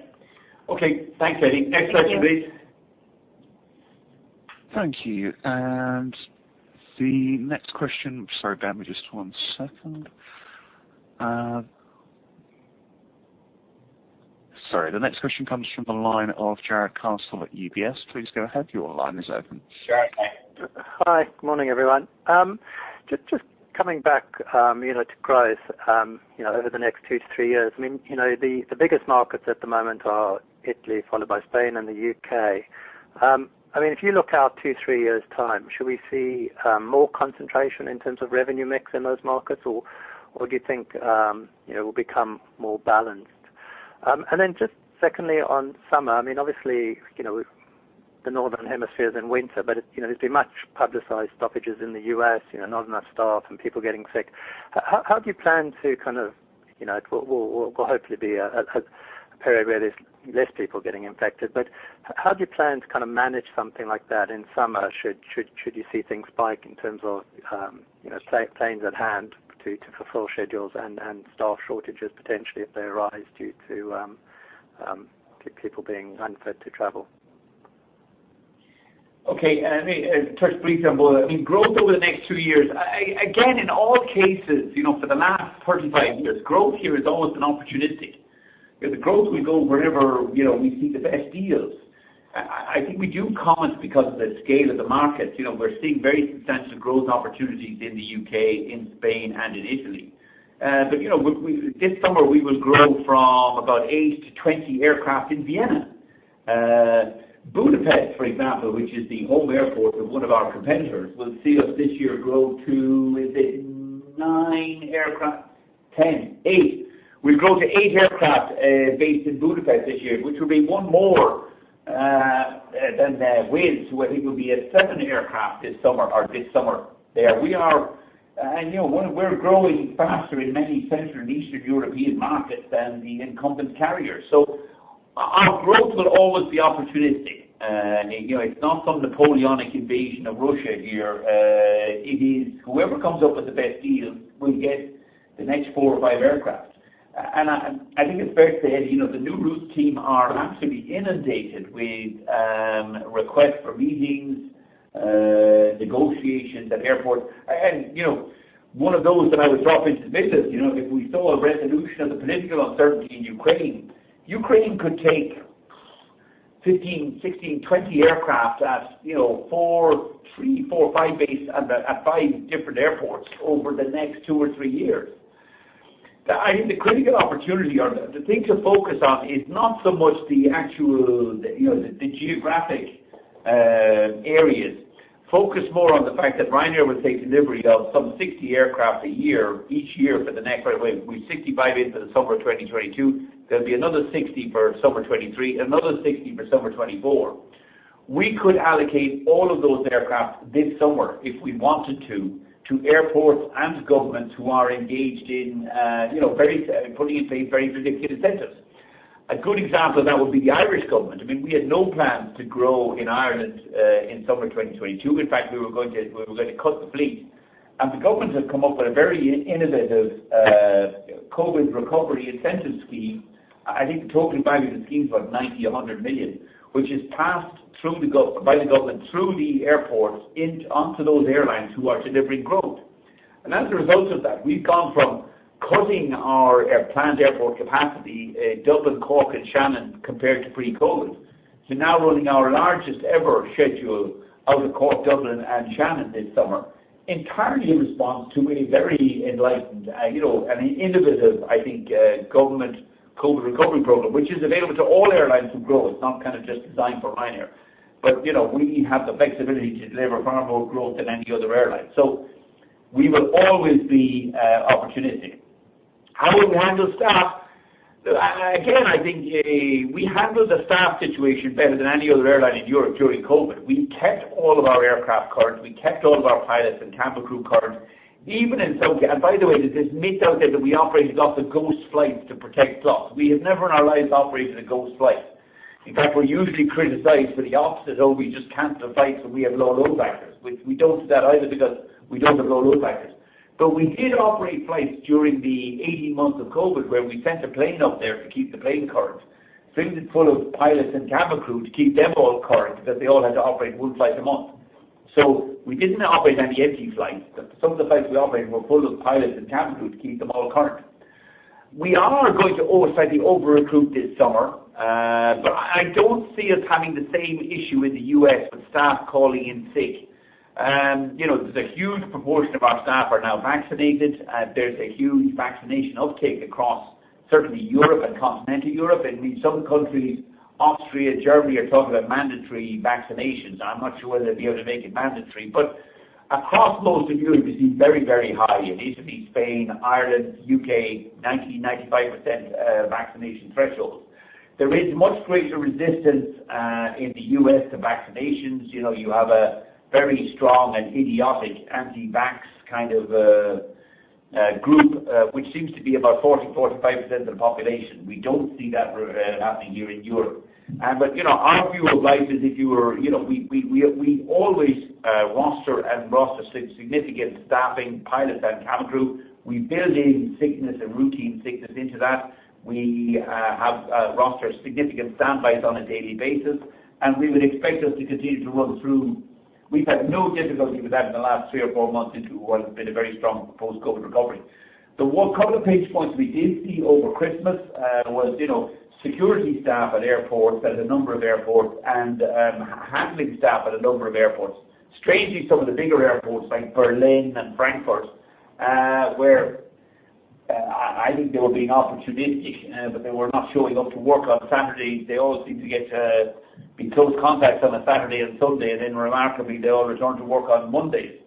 Okay. Thanks, Eddie. Thank you. Next question please. Thank you. Sorry about that, just one second. Sorry. The next question comes from the line of Jarrod Castle at UBS. Please go ahead. Your line is open. Jarrod, hi. Hi. Morning, everyone. Just coming back, you know, to growth, you know, over the next two to three years. I mean, you know, the biggest markets at the moment are Italy, followed by Spain and the U.K. I mean, if you look out two, three years' time, should we see more concentration in terms of revenue mix in those markets, or do you think, you know, it will become more balanced? And then just secondly, on summer, I mean, obviously, you know, the Northern Hemisphere's in winter, but, you know, there's been much-publicized stoppages in the U.S., you know, not enough SAF and people getting sick. How do you plan to kind of, you know, we'll hopefully be a period where there's less people getting infected. How do you plan to kind of manage something like that in summer should you see things spike in terms of, you know, planes at hand to fulfill schedules and SAF shortages potentially if they arise due to people being unfit to travel? Okay. Let me touch briefly on both. I mean, growth over the next two years. Again, in all cases, you know, for the last 35 years, growth here has always been opportunistic. You know, the growth will go wherever, you know, we see the best deals. I think we do comment because of the scale of the markets. You know, we're seeing very substantial growth opportunities in the U.K., in Spain and in Italy. You know, this summer we will grow from about eight-20 aircraft in Vienna. Budapest, for example, which is the home airport of one of our competitors, will see us this year grow to nine aircraft? 10. eight. We'll grow to eight aircraft based in Budapest this year, which will be one more than Wizz, who I think will be at seven aircraft this summer or this summer there. We're growing faster in many Central and Eastern European markets than the incumbent carriers. Our growth will always be opportunistic. You know, it's not some Napoleonic invasion of Russia here. It is whoever comes up with the best deal will get the next four or five aircraft. I think it's fair to say, you know, the new route team are absolutely inundated with requests for meetings, negotiations at airports. You know, one of those that I would drop into the business, you know, if we saw a resolution of the political uncertainty in Ukraine could take 15, 16, 20 aircraft at five different airports over the next two or three years. I think the critical opportunity or the thing to focus on is not so much the actual, you know, the geographic areas. Focus more on the fact that Ryanair will take delivery of some 60 aircraft a year each year. By the way, with 65 into the summer of 2022, there'll be another 60 for summer 2023 and another 60 for summer 2024. We could allocate all of those aircraft this summer, if we wanted to airports and governments who are engaged in putting in place very predictive incentives. A good example of that would be the Irish government. I mean, we had no plans to grow in Ireland in summer 2022. In fact, we were going to cut the fleet. The government has come up with a very innovative COVID recovery incentive scheme. I think the total value of the scheme is about 90-100 million, which is passed through by the government through the airports onto those airlines who are delivering growth. As a result of that, we've gone from cutting our planned airport capacity in Dublin, Cork and Shannon compared to pre-COVID to now running our largest ever schedule out of Cork, Dublin and Shannon this summer, entirely in response to a very enlightened you know and an innovative, I think, government COVID recovery program, which is available to all airlines who grow. It's not kind of just designed for Ryanair. You know, we have the flexibility to deliver far more growth than any other airline. We will always be opportunistic. How we handle staff? Again, I think we handled the staff situation better than any other airline in Europe during COVID. We kept all of our aircraft current. We kept all of our pilots and cabin crew current. Even in some... By the way, there's this myth out there that we operated lots of ghost flights to protect blocks. We have never in our lives operated a ghost flight. In fact, we're usually criticized for the opposite, "Oh, we just cancel flights when we have low load factors." Which we don't do that either because we don't have low load factors. We did operate flights during the 18 months of COVID, where we sent a plane up there to keep the plane current, filled it full of pilots and cabin crew to keep them all current, because they all had to operate one flight a month. We didn't operate any empty flights. Some of the flights we operated were full of pilots and cabin crew to keep them all current. We are going to deliberately over-recruit this summer. I don't see us having the same issue in the U.S. with staff calling in sick. You know, there's a huge proportion of our staff are now vaccinated. There's a huge vaccination uptake across certainly Europe and Continental Europe. In some countries, Austria, Germany are talking about mandatory vaccinations. I'm not sure whether they'll be able to make it mandatory. Across most of Europe, you see very, very high. In Italy, Spain, Ireland, U.K., 90%-95% vaccination thresholds. There is much greater resistance in the U.S. to vaccinations. You know, you have a very strong and idiotic anti-vax kind of a group, which seems to be about 40%-45% of the population. We don't see that happening here in Europe. You know, our view of life is if you were... You know, we always roster significant staffing pilots and cabin crew. We build in sickness and routine sickness into that. We have roster significant standbys on a daily basis, and we would expect us to continue to run through. We've had no difficulty with that in the last three or four months into what has been a very strong post-COVID recovery. The one couple of pain points we did see over Christmas was, you know, security staff at airports, at a number of airports and handling staff at a number of airports. Strangely, some of the bigger airports like Berlin and Frankfurt, where I think they were being opportunistic, but they were not showing up to work on Saturdays. They all seemed to get to be close contacts on a Saturday and Sunday, and then remarkably, they all returned to work on Mondays.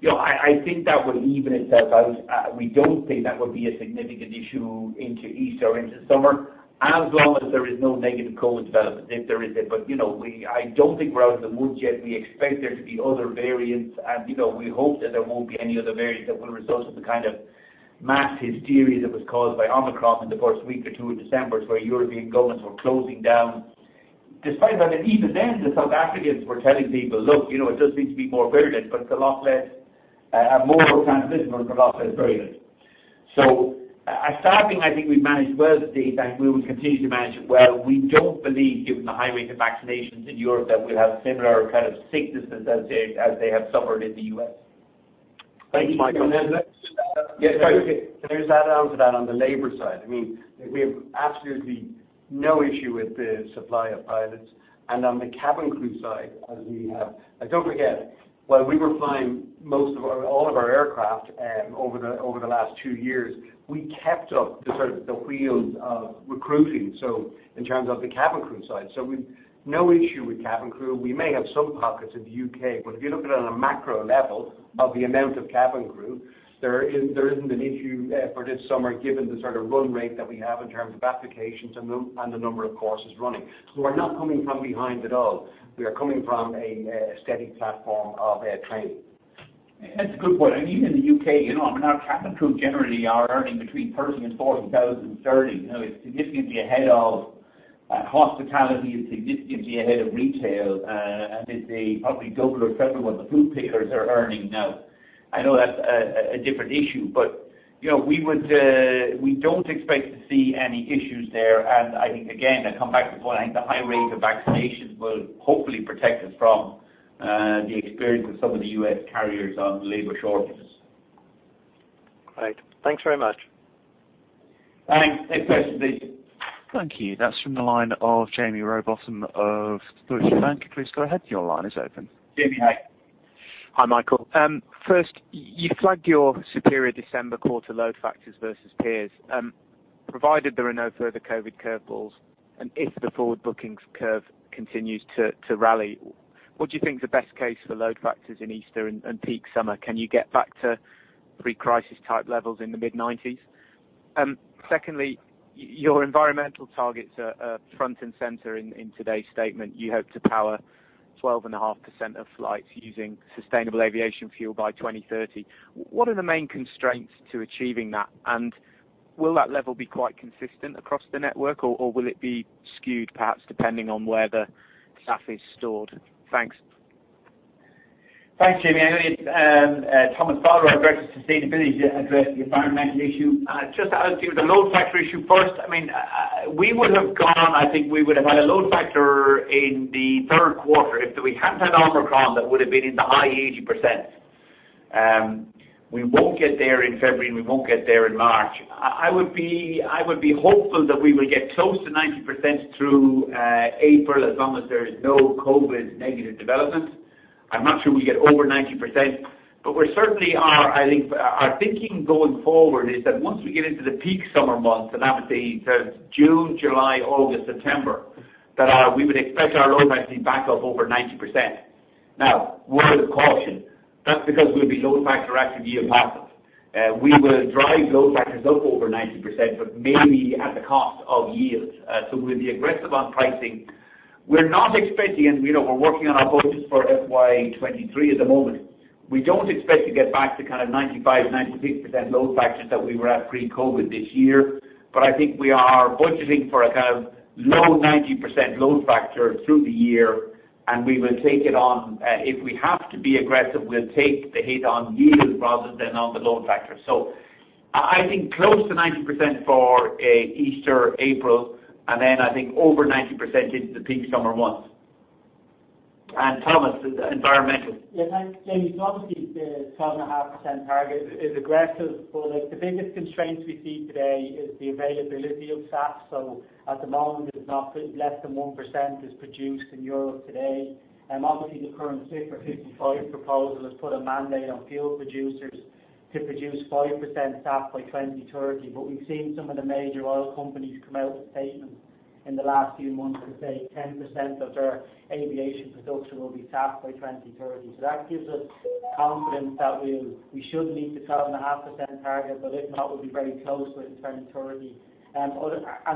You know, I think that will even itself out. We don't think that will be a significant issue into Easter or into summer, as long as there is no negative COVID development, if there isn't. You know, I don't think we're out of the woods yet. We expect there to be other variants. You know, we hope that there won't be any other variants that will result in the kind of mass hysteria that was caused by Omicron in the first week or two of December, where European governments were closing down. Despite that, and even then, the South Africans were telling people, "Look, you know, it does seem to be more transmissible, but a lot less virulent. Staffing, I think we've managed well to date, and we will continue to manage it well. We don't believe, given the high rate of vaccinations in Europe, that we'll have similar kind of sicknesses as they have suffered in the U.S. Thank you, Michael. Yes, go ahead. Can I just add on to that on the labor side? I mean, we have absolutely no issue with the supply of pilots. On the cabin crew side, as we have. Don't forget, while we were flying all of our aircraft over the last two years, we kept up the sort of wheel of recruiting, so in terms of the cabin crew side. We've no issue with cabin crew. We may have some pockets in the U.K., but if you look at it on a macro level of the amount of cabin crew, there isn't an issue for this summer given the sort of run rate that we have in terms of applications and the number of courses running. We're not coming from behind at all. We are coming from a steady platform of training. That's a good point. I mean, in the U.K., you know, I mean, our cabin crew generally are earning between 30,000 and 40,000 sterling. You know, it's significantly ahead of hospitality. It's significantly ahead of retail. It's probably double or triple what the fruit pickers are earning now. I know that's a different issue, but you know, we would. We don't expect to see any issues there, and I think again, I come back to the point, I think the high rate of vaccinations will hopefully protect us from the experience of some of the U.S. carriers on labor shortages. Great. Thanks very much. Thanks. Next question please. Thank you. That's from the line of Jaime Rowbotham of Deutsche Bank. Please go ahead. Your line is open. Jaime, hi. Hi, Michael. First, you flagged your superior December quarter load factors versus peers. Provided there are no further COVID curve balls, and if the forward bookings curve continues to rally, what do you think is the best case for load factors in Easter and peak summer? Can you get back to pre-crisis type levels in the mid-90s? Secondly, your environmental targets are front and center in today's statement. You hope to power 12.5% of flights using sustainable aviation fuel by 2030. What are the main constraints to achieving that? And will that level be quite consistent across the network, or will it be skewed perhaps depending on where the SAF is stored? Thanks. Thanks, Jaime. I know it's Thomas Fowler, our Director of Sustainability, to address the environmental issue. Just to add to the load factor issue first, I mean, we would've gone. I think we would've had a load factor in the third quarter if we hadn't had Omicron that would've been in the high 80%. We won't get there in February, and we won't get there in March. I would be hopeful that we will get close to 90% through April as long as there is no COVID negative development. I'm not sure we get over 90%, but we certainly are. I think our thinking going forward is that once we get into the peak summer months, and that would be sort of June, July, August, September, that we would expect our load factor to be back up over 90%. Now, word of caution, that's because we'll be load factor active yield passive. We will drive load factors up over 90%, but maybe at the cost of yields. We'll be aggressive on pricing. We're not expecting, and you know, we're working on our budgets for FY 2023 at the moment. We don't expect to get back to kind of 95%-96% load factors that we were at pre-COVID this year. I think we are budgeting for a kind of low 90% load factor through the year, and we will take it on. If we have to be aggressive, we'll take the hit on yield rather than on the load factor. I think close to 90% for Easter, April, and then I think over 90% into the peak summer months. Thomas, environmental. Yeah. Thanks, Jamie. Obviously the 12.5% target is aggressive. Like the biggest constraints we see today is the availability of SAF. At the moment, less than 1% is produced in Europe today. Obviously the current Fit for 55 proposal has put a mandate on fuel producers to produce 5% SAF by 2030. We've seen some of the major oil companies come out with statements in the last few months to say 10% of their aviation production will be SAF by 2030. That gives us confidence that we should meet the 12.5% target, but if not, we'll be very close by 2030. And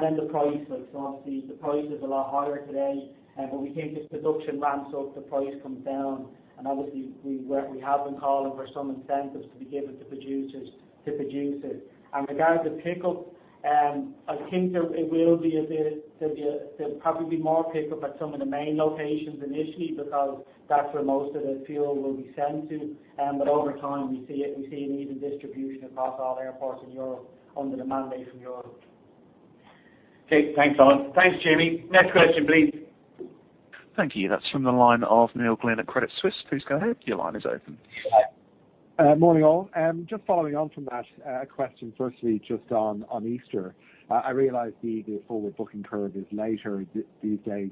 then the price. Like so obviously the price is a lot higher today, but we think as production ramps up, the price comes down. Obviously we have been calling for some incentives to be given to producers to produce it. Regarding the pickup, I think there'll probably be more pickup at some of the main locations initially because that's where most of the fuel will be sent to. But over time, we see an even distribution across all airports in Europe under the mandate from Europe. Okay. Thanks, Thomas. Thanks, Jamie. Next question please. Thank you. That's from the line of Neil Glynn at Credit Suisse. Please go ahead. Your line is open. Morning, all. Just following on from that, question firstly just on Easter. I realize the forward booking curve is later these days.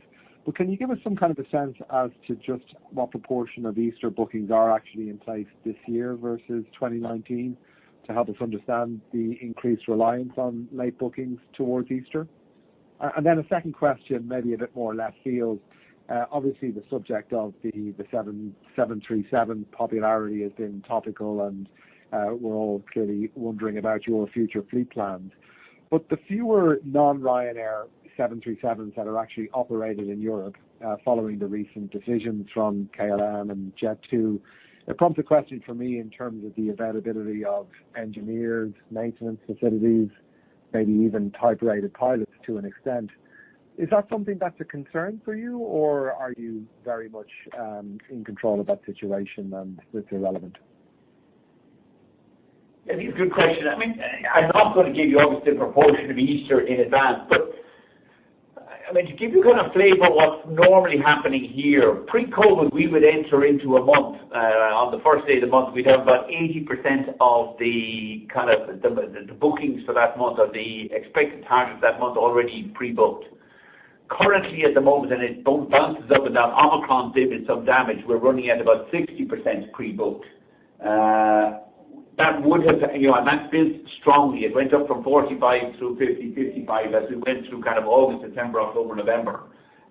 Can you give us some kind of a sense as to just what proportion of Easter bookings are actually in place this year versus 2019 to help us understand the increased reliance on late bookings towards Easter? Then a second question, maybe a bit more left field. Obviously the subject of the 737 popularity has been topical, and we're all clearly wondering about your future fleet plans. The fewer non-Ryanair 737s that are actually operated in Europe, following the recent decisions from KLM and Jet2, it prompts a question for me in terms of the availability of engineers, maintenance facilities. Maybe even type-rated pilots to an extent. Is that something that's a concern for you, or are you very much in control of that situation and it's irrelevant? I think it's a good question. I mean, I'm not gonna give you obviously a proportion of Easter in advance. I mean, to give you kind of a flavor what's normally happening here. Pre-COVID, we would enter into a month, on the first day of the month, we'd have about 80% of the kind of the bookings for that month or the expected target for that month already pre-booked. Currently, at the moment, it bounces up and down. Omicron did some damage. We're running at about 60% pre-booked. You know, that's built strongly. It went up from 45 through 50, 55 as we went through kind of August, September, October, November.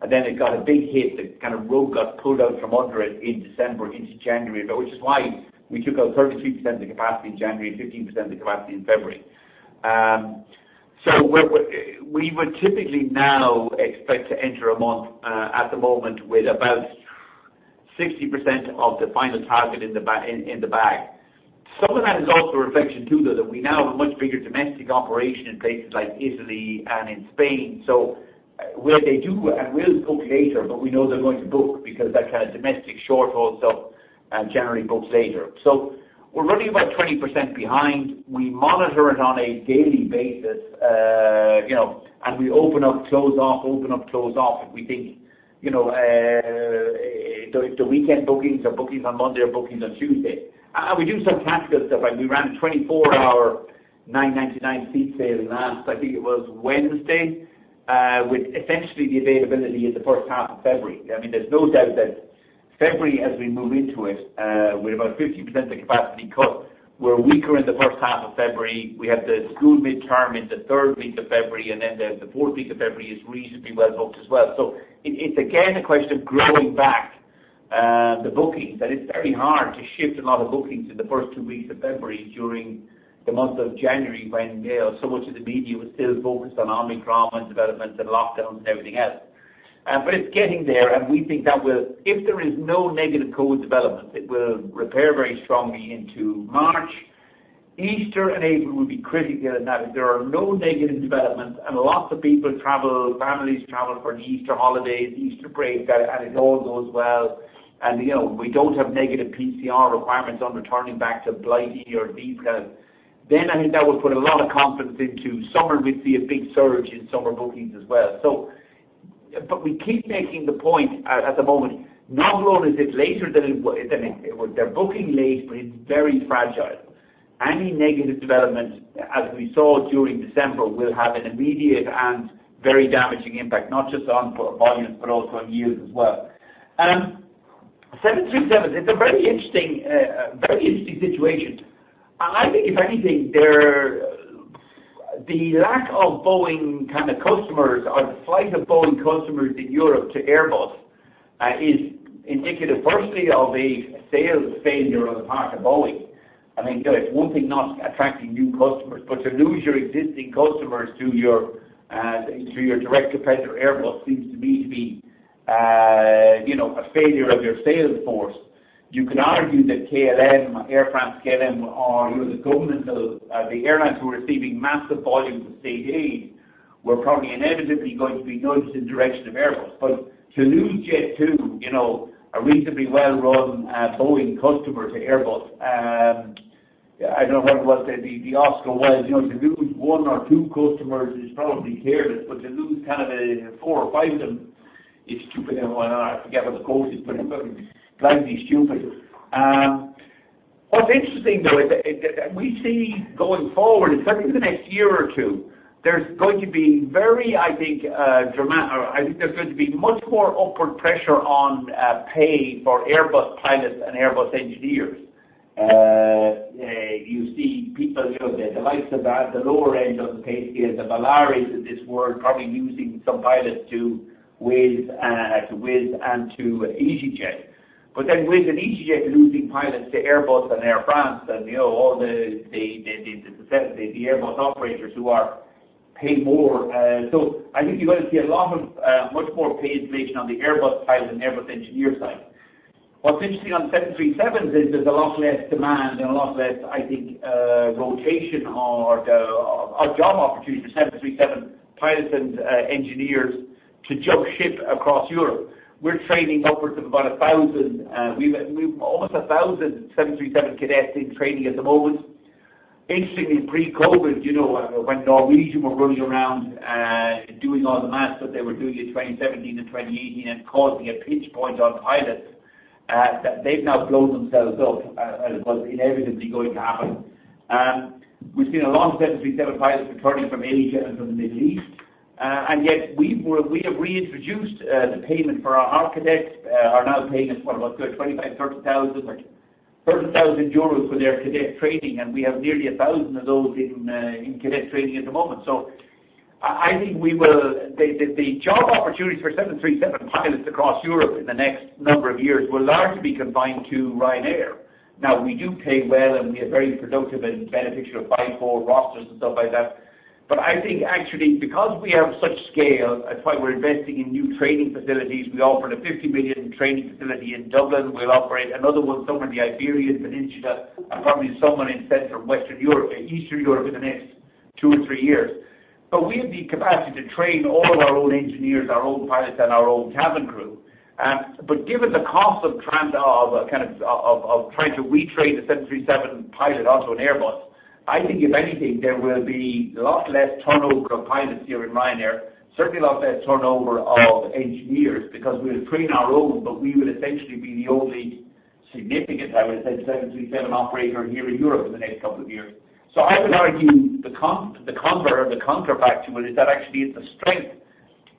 Then it got a big hit. It kind of rug got pulled out from under it in December into January. Which is why we took out 33% of the capacity in January, 15% of the capacity in February. So we would typically now expect to enter a month, at the moment with about 60% of the final target in the bag. Some of that is also a reflection too, though, that we now have a much bigger domestic operation in places like Italy and in Spain. So where they do and will book later, but we know they're going to book because that kind of domestic short haul stuff generally books later. So we're running about 20% behind. We monitor it on a daily basis. You know, we open up, close off, open up, close off, if we think, you know, the weekend bookings, or bookings on Monday, or bookings on Tuesday. We do some tactical stuff, like we ran a 24-hour 9.99 seat sale last, I think it was Wednesday, with essentially the availability in the first half of February. I mean, there's no doubt that February, as we move into it, with about 50% of the capacity cut, we're weaker in the first half of February. We have the school midterm in the third week of February, and then there's the fourth week of February is reasonably well booked as well. It, it's again, a question of growing back the bookings. That it's very hard to shift a lot of bookings in the first two weeks of February during the month of January when, you know, so much of the media was still focused on Omicron, and developments, and lockdowns, and everything else. It's getting there, and we think that will. If there is no negative COVID development, it will repair very strongly into March. Easter and April will be critical in that if there are no negative developments and lots of people travel, families travel for the Easter holidays, Easter break, and it all goes well, and, you know, we don't have negative PCR requirements on returning back to Blighty or these islands, then I think that will put a lot of confidence into summer. We'd see a big surge in summer bookings as well. We keep making the point at the moment, not only is it later than it. They're booking late, but it's very fragile. Any negative development, as we saw during December, will have an immediate and very damaging impact, not just on volume, but also on yields as well. 737, it's a very interesting situation. I think if anything, the lack of Boeing customers or the flight of Boeing customers in Europe to Airbus is indicative firstly of a sales failure on the part of Boeing. I mean, you know, it's one thing not attracting new customers, but to lose your existing customers to your direct competitor, Airbus, seems to me to be, you know, a failure of their sales force. You can argue that Air France-KLM are the airlines who are receiving massive volumes of state aid were probably inevitably going to be nudged in the direction of Airbus. To lose Jet2, you know, a reasonably well-run Boeing customer to Airbus. I don't know whoever it was said. The Oscar was to lose one or two customers is probably careless, but to lose kind of four or five of them is stupid, and whatnot. I forget what the quote is, but it's something blindly stupid. What's interesting though is that we see going forward, certainly in the next year or two, there's going to be much more upward pressure on pay for Airbus pilots and Airbus engineers. You see people, the likes of at the lower end of the pay scale, the Volaris of this world, probably losing some pilots to Wizz and to easyJet. Wizz Air and easyJet losing pilots to Airbus, and Air France, and, you know, all the Airbus operators who are paid more. I think you're gonna see a lot of much more pay inflation on the Airbus pilot and Airbus engineer side. What's interesting on 737s is there's a lot less demand and a lot less, I think, rotation or job opportunities for 737 pilots and engineers to jump ship across Europe. We're training upwards of about 1,000. We've almost 1,000 737 cadets in training at the moment. Interestingly, pre-COVID, you know, when Norwegian were running around doing all the madness that they were doing in 2017 and 2018 and causing a pinch point on pilots that they've now blown themselves up as was inevitably going to happen. We've seen a lot of 737 pilots returning from Asia and from the Middle East. We have reintroduced the payment for our cadets. They are now paying us what? About 25, 30,000, like 30,000 euros for their cadet training, and we have nearly 1,000 of those in cadet training at the moment. I think the job opportunities for 737 pilots across Europe in the next number of years will largely be confined to Ryanair. Now, we do pay well, and we are very productive and beneficial five-four rosters and stuff like that. I think actually because we have such scale, that's why we're investing in new training facilities. We opened a 50 million training facility in Dublin. We'll operate another one somewhere in the Iberian Peninsula and probably somewhere in Central Western Europe or Eastern Europe in the next two or three years. We have the capacity to train all of our own engineers, our own pilots, and our own cabin crew. Given the cost of trying to retrain the 737 pilot onto an Airbus, I think if anything, there will be a lot less turnover of pilots here in Ryanair. Certainly a lot less turnover of engineers, because we'll train our own, but we will essentially be the only significant, I would say, 737 operator here in Europe in the next couple of years. I would argue the counterfactual is that actually it's a strength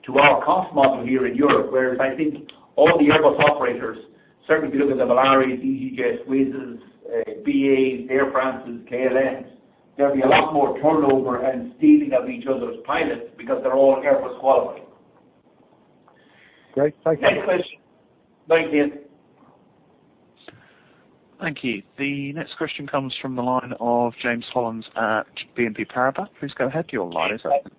to our cost model here in Europe. Whereas I think all the Airbus operators certainly, if you look at the Volaris, easyJets, Wizz, BAs, Air France's, KLMs, there'll be a lot more turnover and stealing of each other's pilots because they're all Airbus qualified. Great. Thank you. Next question. Thank you. Thank you. The next question comes from the line of James Hollins at BNP Paribas. Please go ahead, your line is open.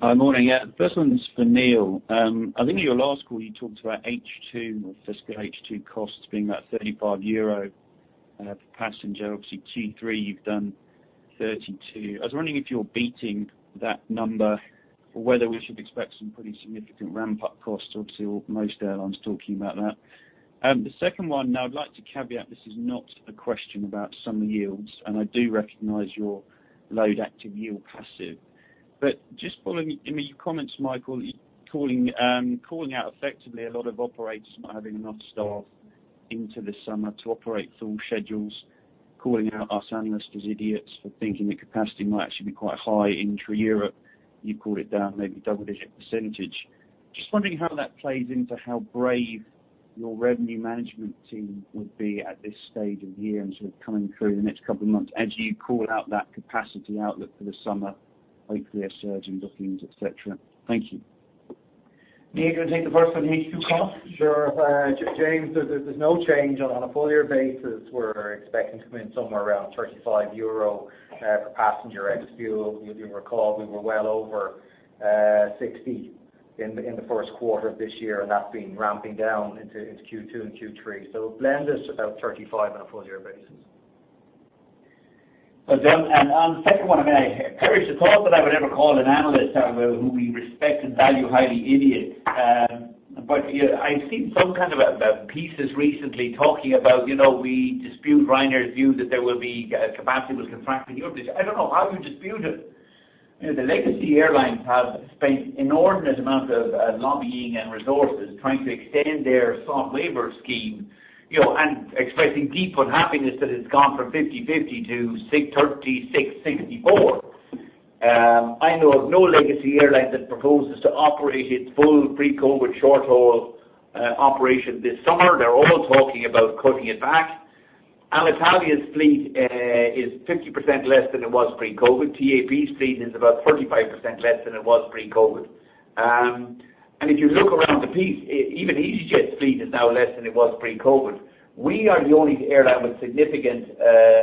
Hi. Morning. Yeah, the first one's for Neil. I think in your last call you talked about H2, or fiscal H2 costs being about 35 euro per passenger. Obviously, Q3 you've done 32. I was wondering if you're beating that number or whether we should expect some pretty significant ramp-up costs. Obviously, most airlines talking about that. The second one, now, I'd like to caveat, this is not a question about summer yields, and I do recognize you're load active, yield passive. But just following in your comments, Michael, calling out effectively a lot of operators not having enough SAF into the summer to operate full schedules. Calling out us analysts as idiots for thinking that capacity might actually be quite high intra-Europe. You call it down maybe a double-digit percentage. Just wondering how that plays into how brave your revenue management team would be at this stage of the year and sort of coming through the next couple of months as you call out that capacity outlook for the summer, hopefully a surge in bookings, et cetera. Thank you. Neil, you gonna take the first on the H2 cost? Sure. James, there's no change. On a full year basis, we're expecting to come in somewhere around 35 euro per passenger ex-fuel. You'll recall we were well over 60 in the first quarter of this year, and that's been ramping down into Q2 and Q3. Blend is about 35 on a full year basis. On the second one, I mean, perish the thought that I would ever call an analyst who we respect and value highly, idiot. But yeah, I've seen some kind of pieces recently talking about, you know, we dispute Ryanair's view that capacity will contract in Europe this year. I don't know how you dispute it. You know, the legacy airlines have spent inordinate amount of lobbying and resources trying to extend their soft labor scheme, you know, and expressing deep unhappiness that it's gone from 50-50 to 63-64. I know of no legacy airline that proposes to operate its full pre-COVID short-haul operation this summer. They're all talking about cutting it back. Alitalia's fleet is 50% less than it was pre-COVID. TAP's fleet is about 35% less than it was pre-COVID. If you look around the piece, even easyJet's fleet is now less than it was pre-COVID. We are the only airline with significant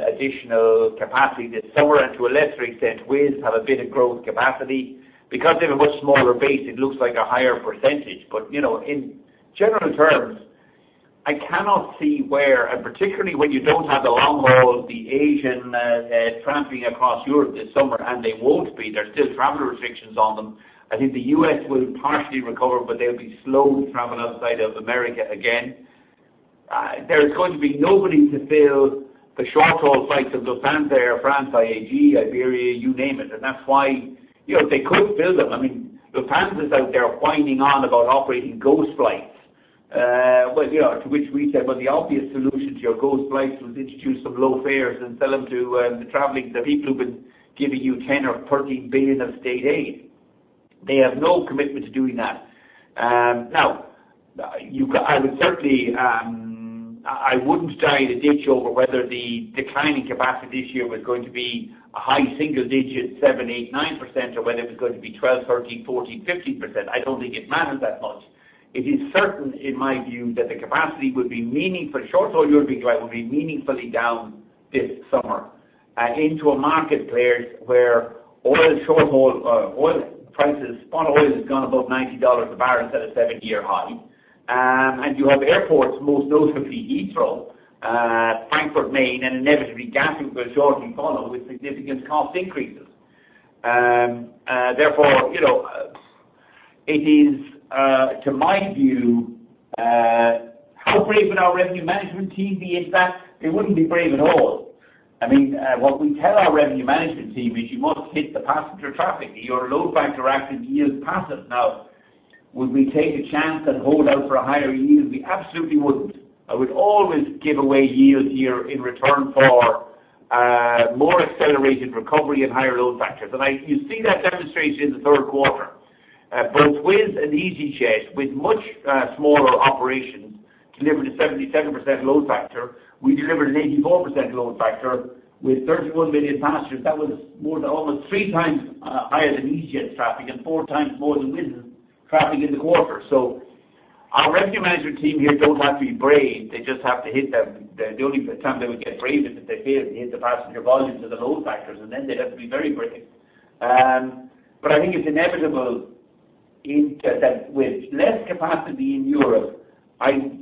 additional capacity this summer. To a lesser extent, Wizz have a bit of growth capacity. Because they have a much smaller base, it looks like a higher percentage. You know, in general terms, I cannot see where. Particularly when you don't have the long-haul, the Asian traveling across Europe this summer, and they won't be. There are still travel restrictions on them. I think the U.S. will partially recover, but they'll be slow to travel outside of America again. There is going to be nobody to fill the short-haul flights of Lufthansa, Air France, IAG, Iberia, you name it. That's why, you know, if they could fill them, I mean, Lufthansa's out there whining on about operating ghost flights. Well, you know, to which we said, "Well, the obvious solution to your ghost flights was introduce some low fares and sell them to the traveling, the people who've been giving you 10 billion or 13 billion of state aid." They have no commitment to doing that. Now, I would certainly, I wouldn't die in a ditch over whether the declining capacity this year was going to be a high single-digit 7%, 8%, 9%, or whether it was going to be 12%, 13%, 14%, 15%. I don't think it matters that much. It is certain, in my view, that the capacity will be meaningful. Short-haul European travel will be meaningfully down this summer into a marketplace where oil prices, spot oil has gone above $90 a barrel. It's at a seven-year high. You have airports, most notably Heathrow, Frankfurt Main, and inevitably Gatwick, that will shortly follow with significant cost increases. Therefore, you know, it is in my view. How brave would our revenue management team be if that? They wouldn't be brave at all. I mean, what we tell our revenue management team is you must hit the passenger traffic. Your load factor active, yield passive. Now, would we take a chance and hold out for a higher yield? We absolutely wouldn't. I would always give away yield here in return for more accelerated recovery and higher load factors. You see that demonstrated in the third quarter. Both Wizz and easyJet, with much smaller operations, delivered a 77% load factor. We delivered an 84% load factor with 31 million passengers. That was more than almost three times higher than easyJet traffic and four times more than Wizz traffic in the quarter. Our revenue management team here don't have to be brave, they just have to hit the. The only time they would get brave is if they failed to hit the passenger volumes or the load factors, and then they'd have to be very brave. I think it's inevitable that with less capacity in Europe, I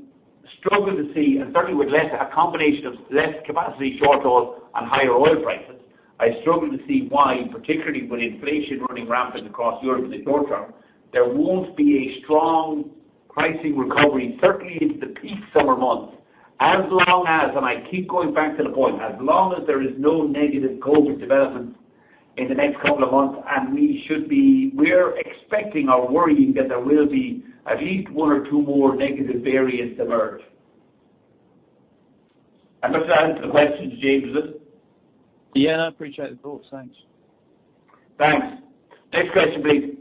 struggle to see, and certainly with less a combination of less capacity short haul and higher oil prices. I struggle to see why, particularly with inflation running rampant across Europe in the short term, there won't be a strong pricing recovery, certainly into the peak summer months, as long as, and I keep going back to the point, as long as there is no negative COVID development in the next couple of months. We're expecting or worrying that there will be at least one or two more negative variants emerge. Does that answer the question, James? Yeah. I appreciate the thoughts. Thanks. Thanks. Next question, please.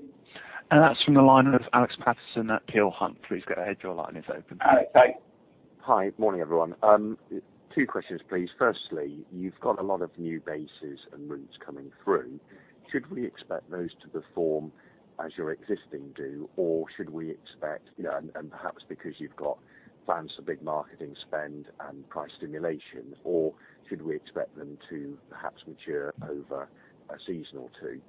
That's from the line of Alex Paterson at Kiltearn. Please go ahead. Your line is open. Alex, hi. Hi. Morning, everyone. Two questions, please. Firstly, you've got a lot of new bases and routes coming through. Should we expect those to perform as your existing do, or should we expect and perhaps because you've got plans for big marketing spend and price stimulation, or should we expect them to perhaps mature over a season or two?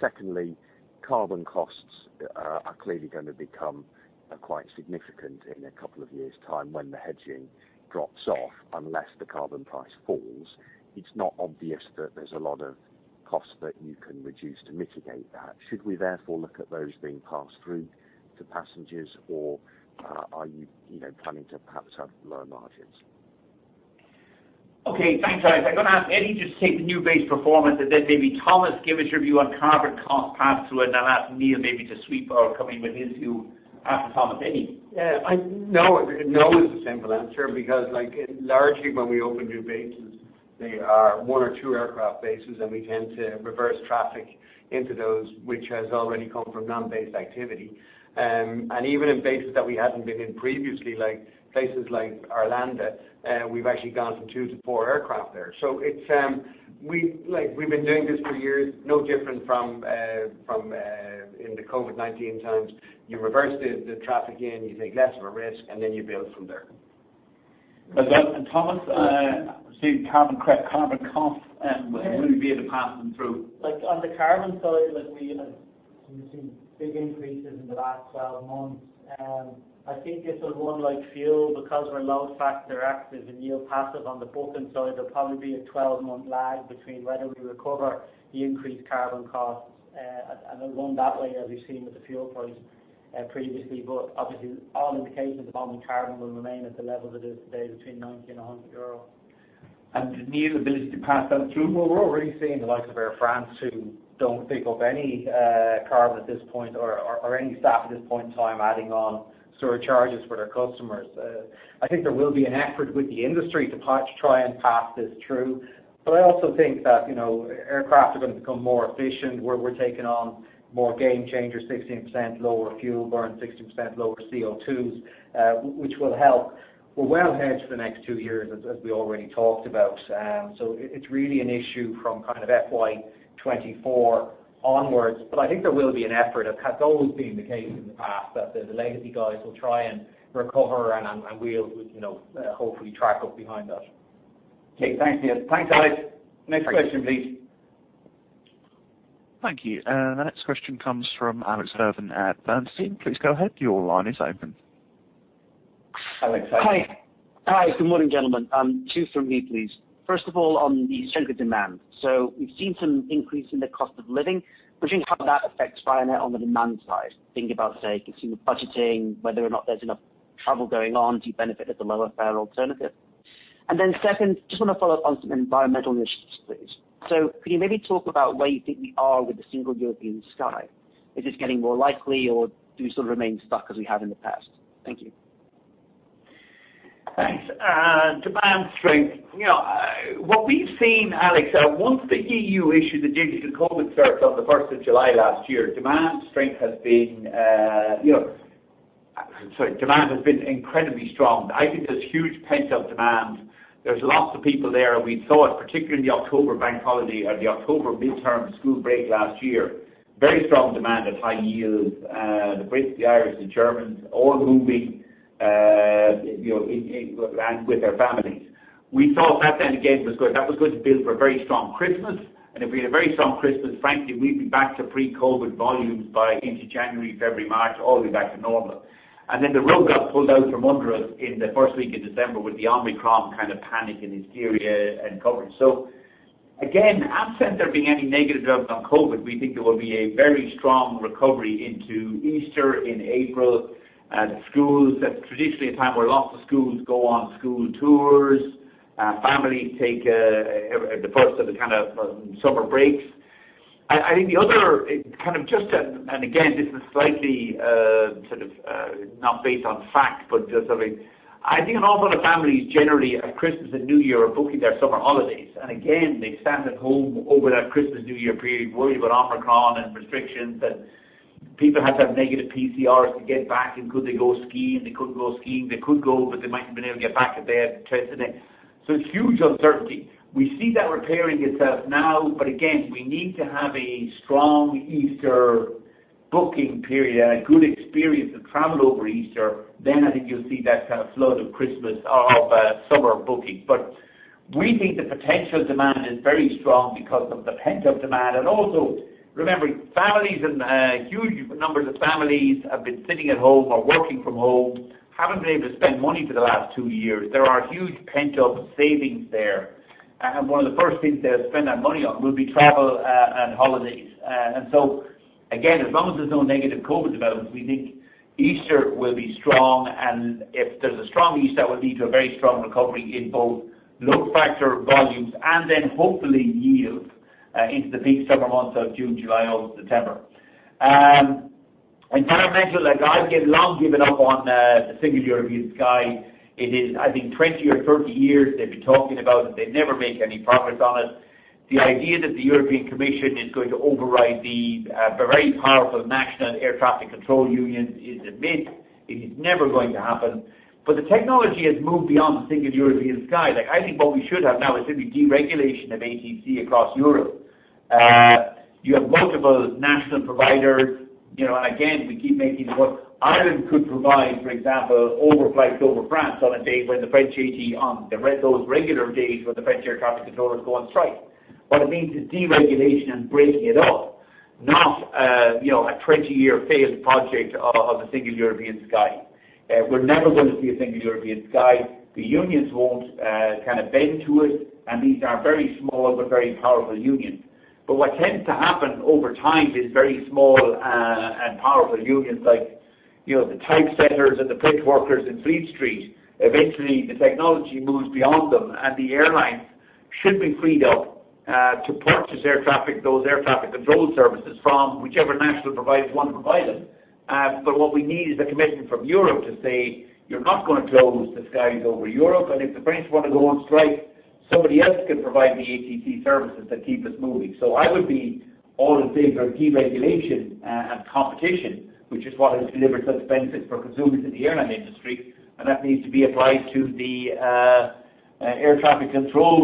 Secondly, carbon costs are clearly gonna become quite significant in a couple of years' time when the hedging drops off, unless the carbon price falls. It's not obvious that there's a lot of costs that you can reduce to mitigate that. Should we therefore look at those being passed through to passengers, or are you planning to perhaps have lower margins? Okay. Thanks, Alex. I'm gonna ask Eddie just to take the new base performance, and then maybe Thomas give his review on carbon costs, and I'll ask Neil maybe to speak or come in with his view after Thomas. Eddie? Yeah. No, no is the simple answer because, like, largely when we open new bases, they are one or two aircraft bases, and we tend to reverse traffic into those which has already come from non-based activity. And even in bases that we hadn't been in previously, like places like Arlanda, we've actually gone from two-four aircraft there. Like, we've been doing this for years, no different from in the COVID-19 times. You reverse the traffic in, you take less of a risk, and then you build from there. Thomas, the carbon cost, will you be able to pass them through? Like, on the carbon side, like we have seen big increases in the last 12 months. I think this will run like fuel because we're load factor active and yield passive on the booking side. There'll probably be a 12-month lag between whether we recover the increased carbon costs. And it'll run that way as we've seen with the fuel price, previously. Obviously all indications are carbon will remain at the level that is today between 90 and 100 euros. Neil, the ability to pass that through? Well, we're already seeing the likes of Air France who don't think of any carbon at this point or any SAF at this point in time adding on surcharges for their customers. I think there will be an effort with the industry to try and pass this through. I also think that, you know, aircraft are gonna become more efficient, where we're taking on more game changers, 16% lower fuel burn, 16% lower CO2s, which will help. We're well hedged for the next two years as we already talked about. It's really an issue from kind of FY 2024 onwards. I think there will be an effort, as has always been the case in the past, that the legacy guys will try and recover and we'll, you know, hopefully track up behind that. Okay. Thanks, Neil. Thanks, Alex. Next question, please. Thank you. The next question comes from Alex Irving at Bernstein. Please go ahead. Your line is open. Alex, hi. Hi. Good morning, gentlemen. Two from me, please. First of all, on the strength of demand. We've seen some increase in the cost of living. Wondering how that affects Ryanair on the demand side. Thinking about, say, consumer budgeting, whether or not there's enough travel going on to benefit at the lower fare alternative. Then second, just want to follow up on some environmental initiatives, please. Can you maybe talk about where you think we are with the Single European Sky? Is this getting more likely, or do we sort of remain stuck as we have in the past? Thank you. Thanks. You know, what we've seen, Alex, once the EU issued the digital COVID cert on the first of July last year, demand has been incredibly strong. I think there's huge pent-up demand. There's lots of people there. We saw it particularly in the October bank holiday or the October midterm school break last year. Very strong demand at high yields. The British, the Irish, the Germans all moving with their families. We thought that then again was good. That was good to build for a very strong Christmas. If we had a very strong Christmas, frankly, we'd be back to pre-COVID volumes by into January, February, March, all the way back to normal. Then the rug got pulled out from under us in the first week of December with the Omicron kind of panic and hysteria and COVID. Again, absent there being any negative developments on COVID, we think there will be a very strong recovery into Easter in April. The schools, that's traditionally a time where lots of schools go on school tours, families take the first of the kind of summer breaks. I think the other kind of just. Again, this is slightly sort of not based on fact, but just something. I think a lot of families generally at Christmas and New Year are booking their summer holidays. Again, they're sat at home over that Christmas, New Year period worried about Omicron and restrictions. People had to have negative PCRs to get back. Could they go skiing? They couldn't go skiing. They could go, but they mightn't have been able to get back if they had tested. It's huge uncertainty. We see that repairing itself now, but again, we need to have a strong Easter booking period, a good experience of travel over Easter. I think you'll see that kind of flood of Christmas or of summer booking. We think the potential demand is very strong because of the pent-up demand. Also remembering families and huge numbers of families have been sitting at home or working from home, haven't been able to spend money for the last two years. There are huge pent-up savings there. One of the first things they'll spend that money on will be travel and holidays. Again, as long as there's no negative COVID developments, we think Easter will be strong. If there's a strong Easter, that will lead to a very strong recovery in both load factor volumes and then hopefully yield into the peak summer months of June, July, August, September. Environmental, like I've long given up on the Single European Sky. It is, I think 20 or 30 years they've been talking about it. They never make any progress on it. The idea that the European Commission is going to override the very powerful national air traffic control union is a myth. It is never going to happen. The technology has moved beyond the Single European Sky. Like, I think what we should have now is simply deregulation of ATC across Europe. You have multiple national providers, you know, and again, we keep making the point Ireland could provide, for example, overflights over France on a day when the French, those regular days when the French air traffic controllers go on strike. What it means is deregulation and breaking it up, not, you know, a 20-year failed project of a Single European Sky. We're never going to see a Single European Sky. The unions won't kind of bend to it. These are very small but very powerful unions. What tends to happen over time is very small and powerful unions like, you know, the typesetters and the print workers in Fleet Street. Eventually, the technology moves beyond them, and the airlines should be freed up to purchase air traffic, those air traffic control services from whichever national provider want to provide them. What we need is a commitment from Europe to say, "You're not gonna close the skies over Europe. If the French want to go on strike, somebody else can provide the ATC services that keep us moving." I would be all in favor of deregulation and competition, which is what has delivered such benefits for consumers in the airline industry, and that needs to be applied to the air traffic control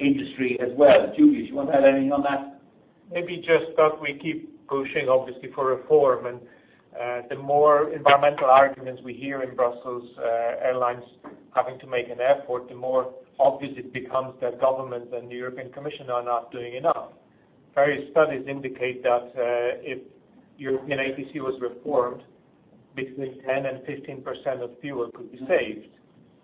industry as well. Juliusz, you want to add anything on that? Maybe just that we keep pushing obviously for reform. The more environmental arguments we hear in Brussels, airlines having to make an effort, the more obvious it becomes that governments and the European Commission are not doing enough. Various studies indicate that if European ATC was reformed, between 10%-15% of fuel could be saved.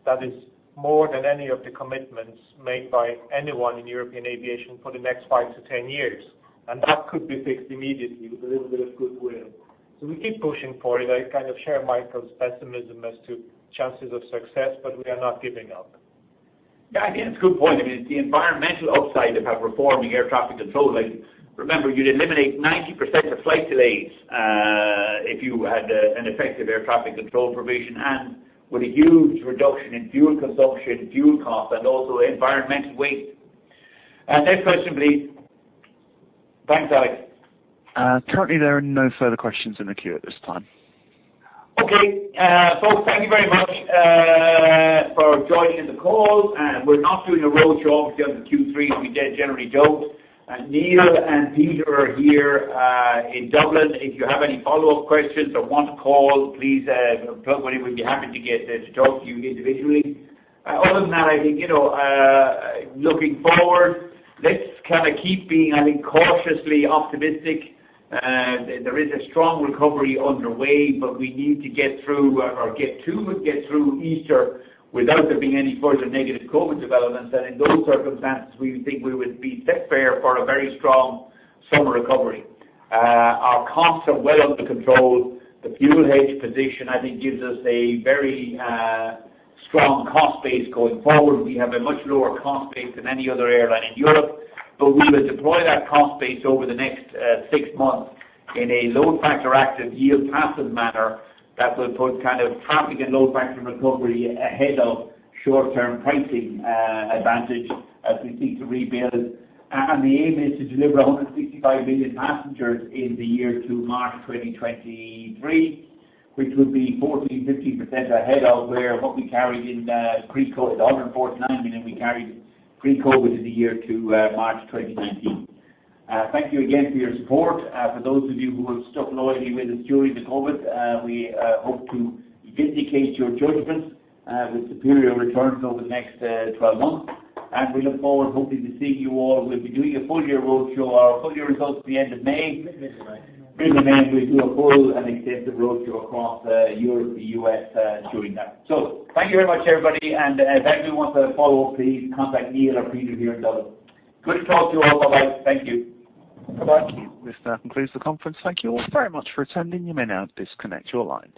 That is more than any of the commitments made by anyone in European aviation for the next five-10 years. That could be fixed immediately with a little bit of good will. We keep pushing for it. I kind of share Michael's pessimism as to chances of success, but we are not giving up. Yeah, I think that's a good point. I mean, the environmental upside of having reforming air traffic control. Like, remember, you'd eliminate 90% of flight delays, if you had an effective air traffic control provision and with a huge reduction in fuel consumption, fuel cost, and also environmental waste. Next question, please. Thanks, Alex. Currently there are no further questions in the queue at this time. Okay. Folks, thank you very much for joining the call. We're not doing a roadshow obviously on the Q3 as we generally don't. Neil and Peter are here in Dublin. If you have any follow-up questions or want to call, please contact him. We'd be happy to get to talk to you individually. Other than that, I think, you know, looking forward, let's kind of keep being, I think, cautiously optimistic. There is a strong recovery underway, but we need to get through Easter without there being any further negative COVID developments. In those circumstances, we would think we would be set fair for a very strong summer recovery. Our costs are well under control. The fuel hedge position, I think gives us a very strong cost base going forward. We have a much lower cost base than any other airline in Europe. We will deploy that cost base over the next six months in a load factor active, yield passive manner that will put kind of traffic and load factor recovery ahead of short-term pricing advantage as we seek to rebuild. The aim is to deliver 165 million passengers in the year to March 2023, which would be 14%-15% ahead of where what we carried in pre-COVID, the 149 million we carried pre-COVID in the year to March 2019. Thank you again for your support. For those of you who have stuck loyally with us during the COVID, we hope to vindicate your judgment with superior returns over the next 12 months. We look forward, hopefully, to seeing you all. We'll be doing a full year roadshow. Our full year results at the end of May. End of May, we do a full and extensive roadshow across Europe, the U.S., during that. Thank you very much, everybody. If anyone wants a follow-up, please contact Neil or Peter here in Dublin. Good to talk to you all. Bye-bye. Thank you. Thank you. This now concludes the conference. Thank you all very much for attending. You may now disconnect your lines.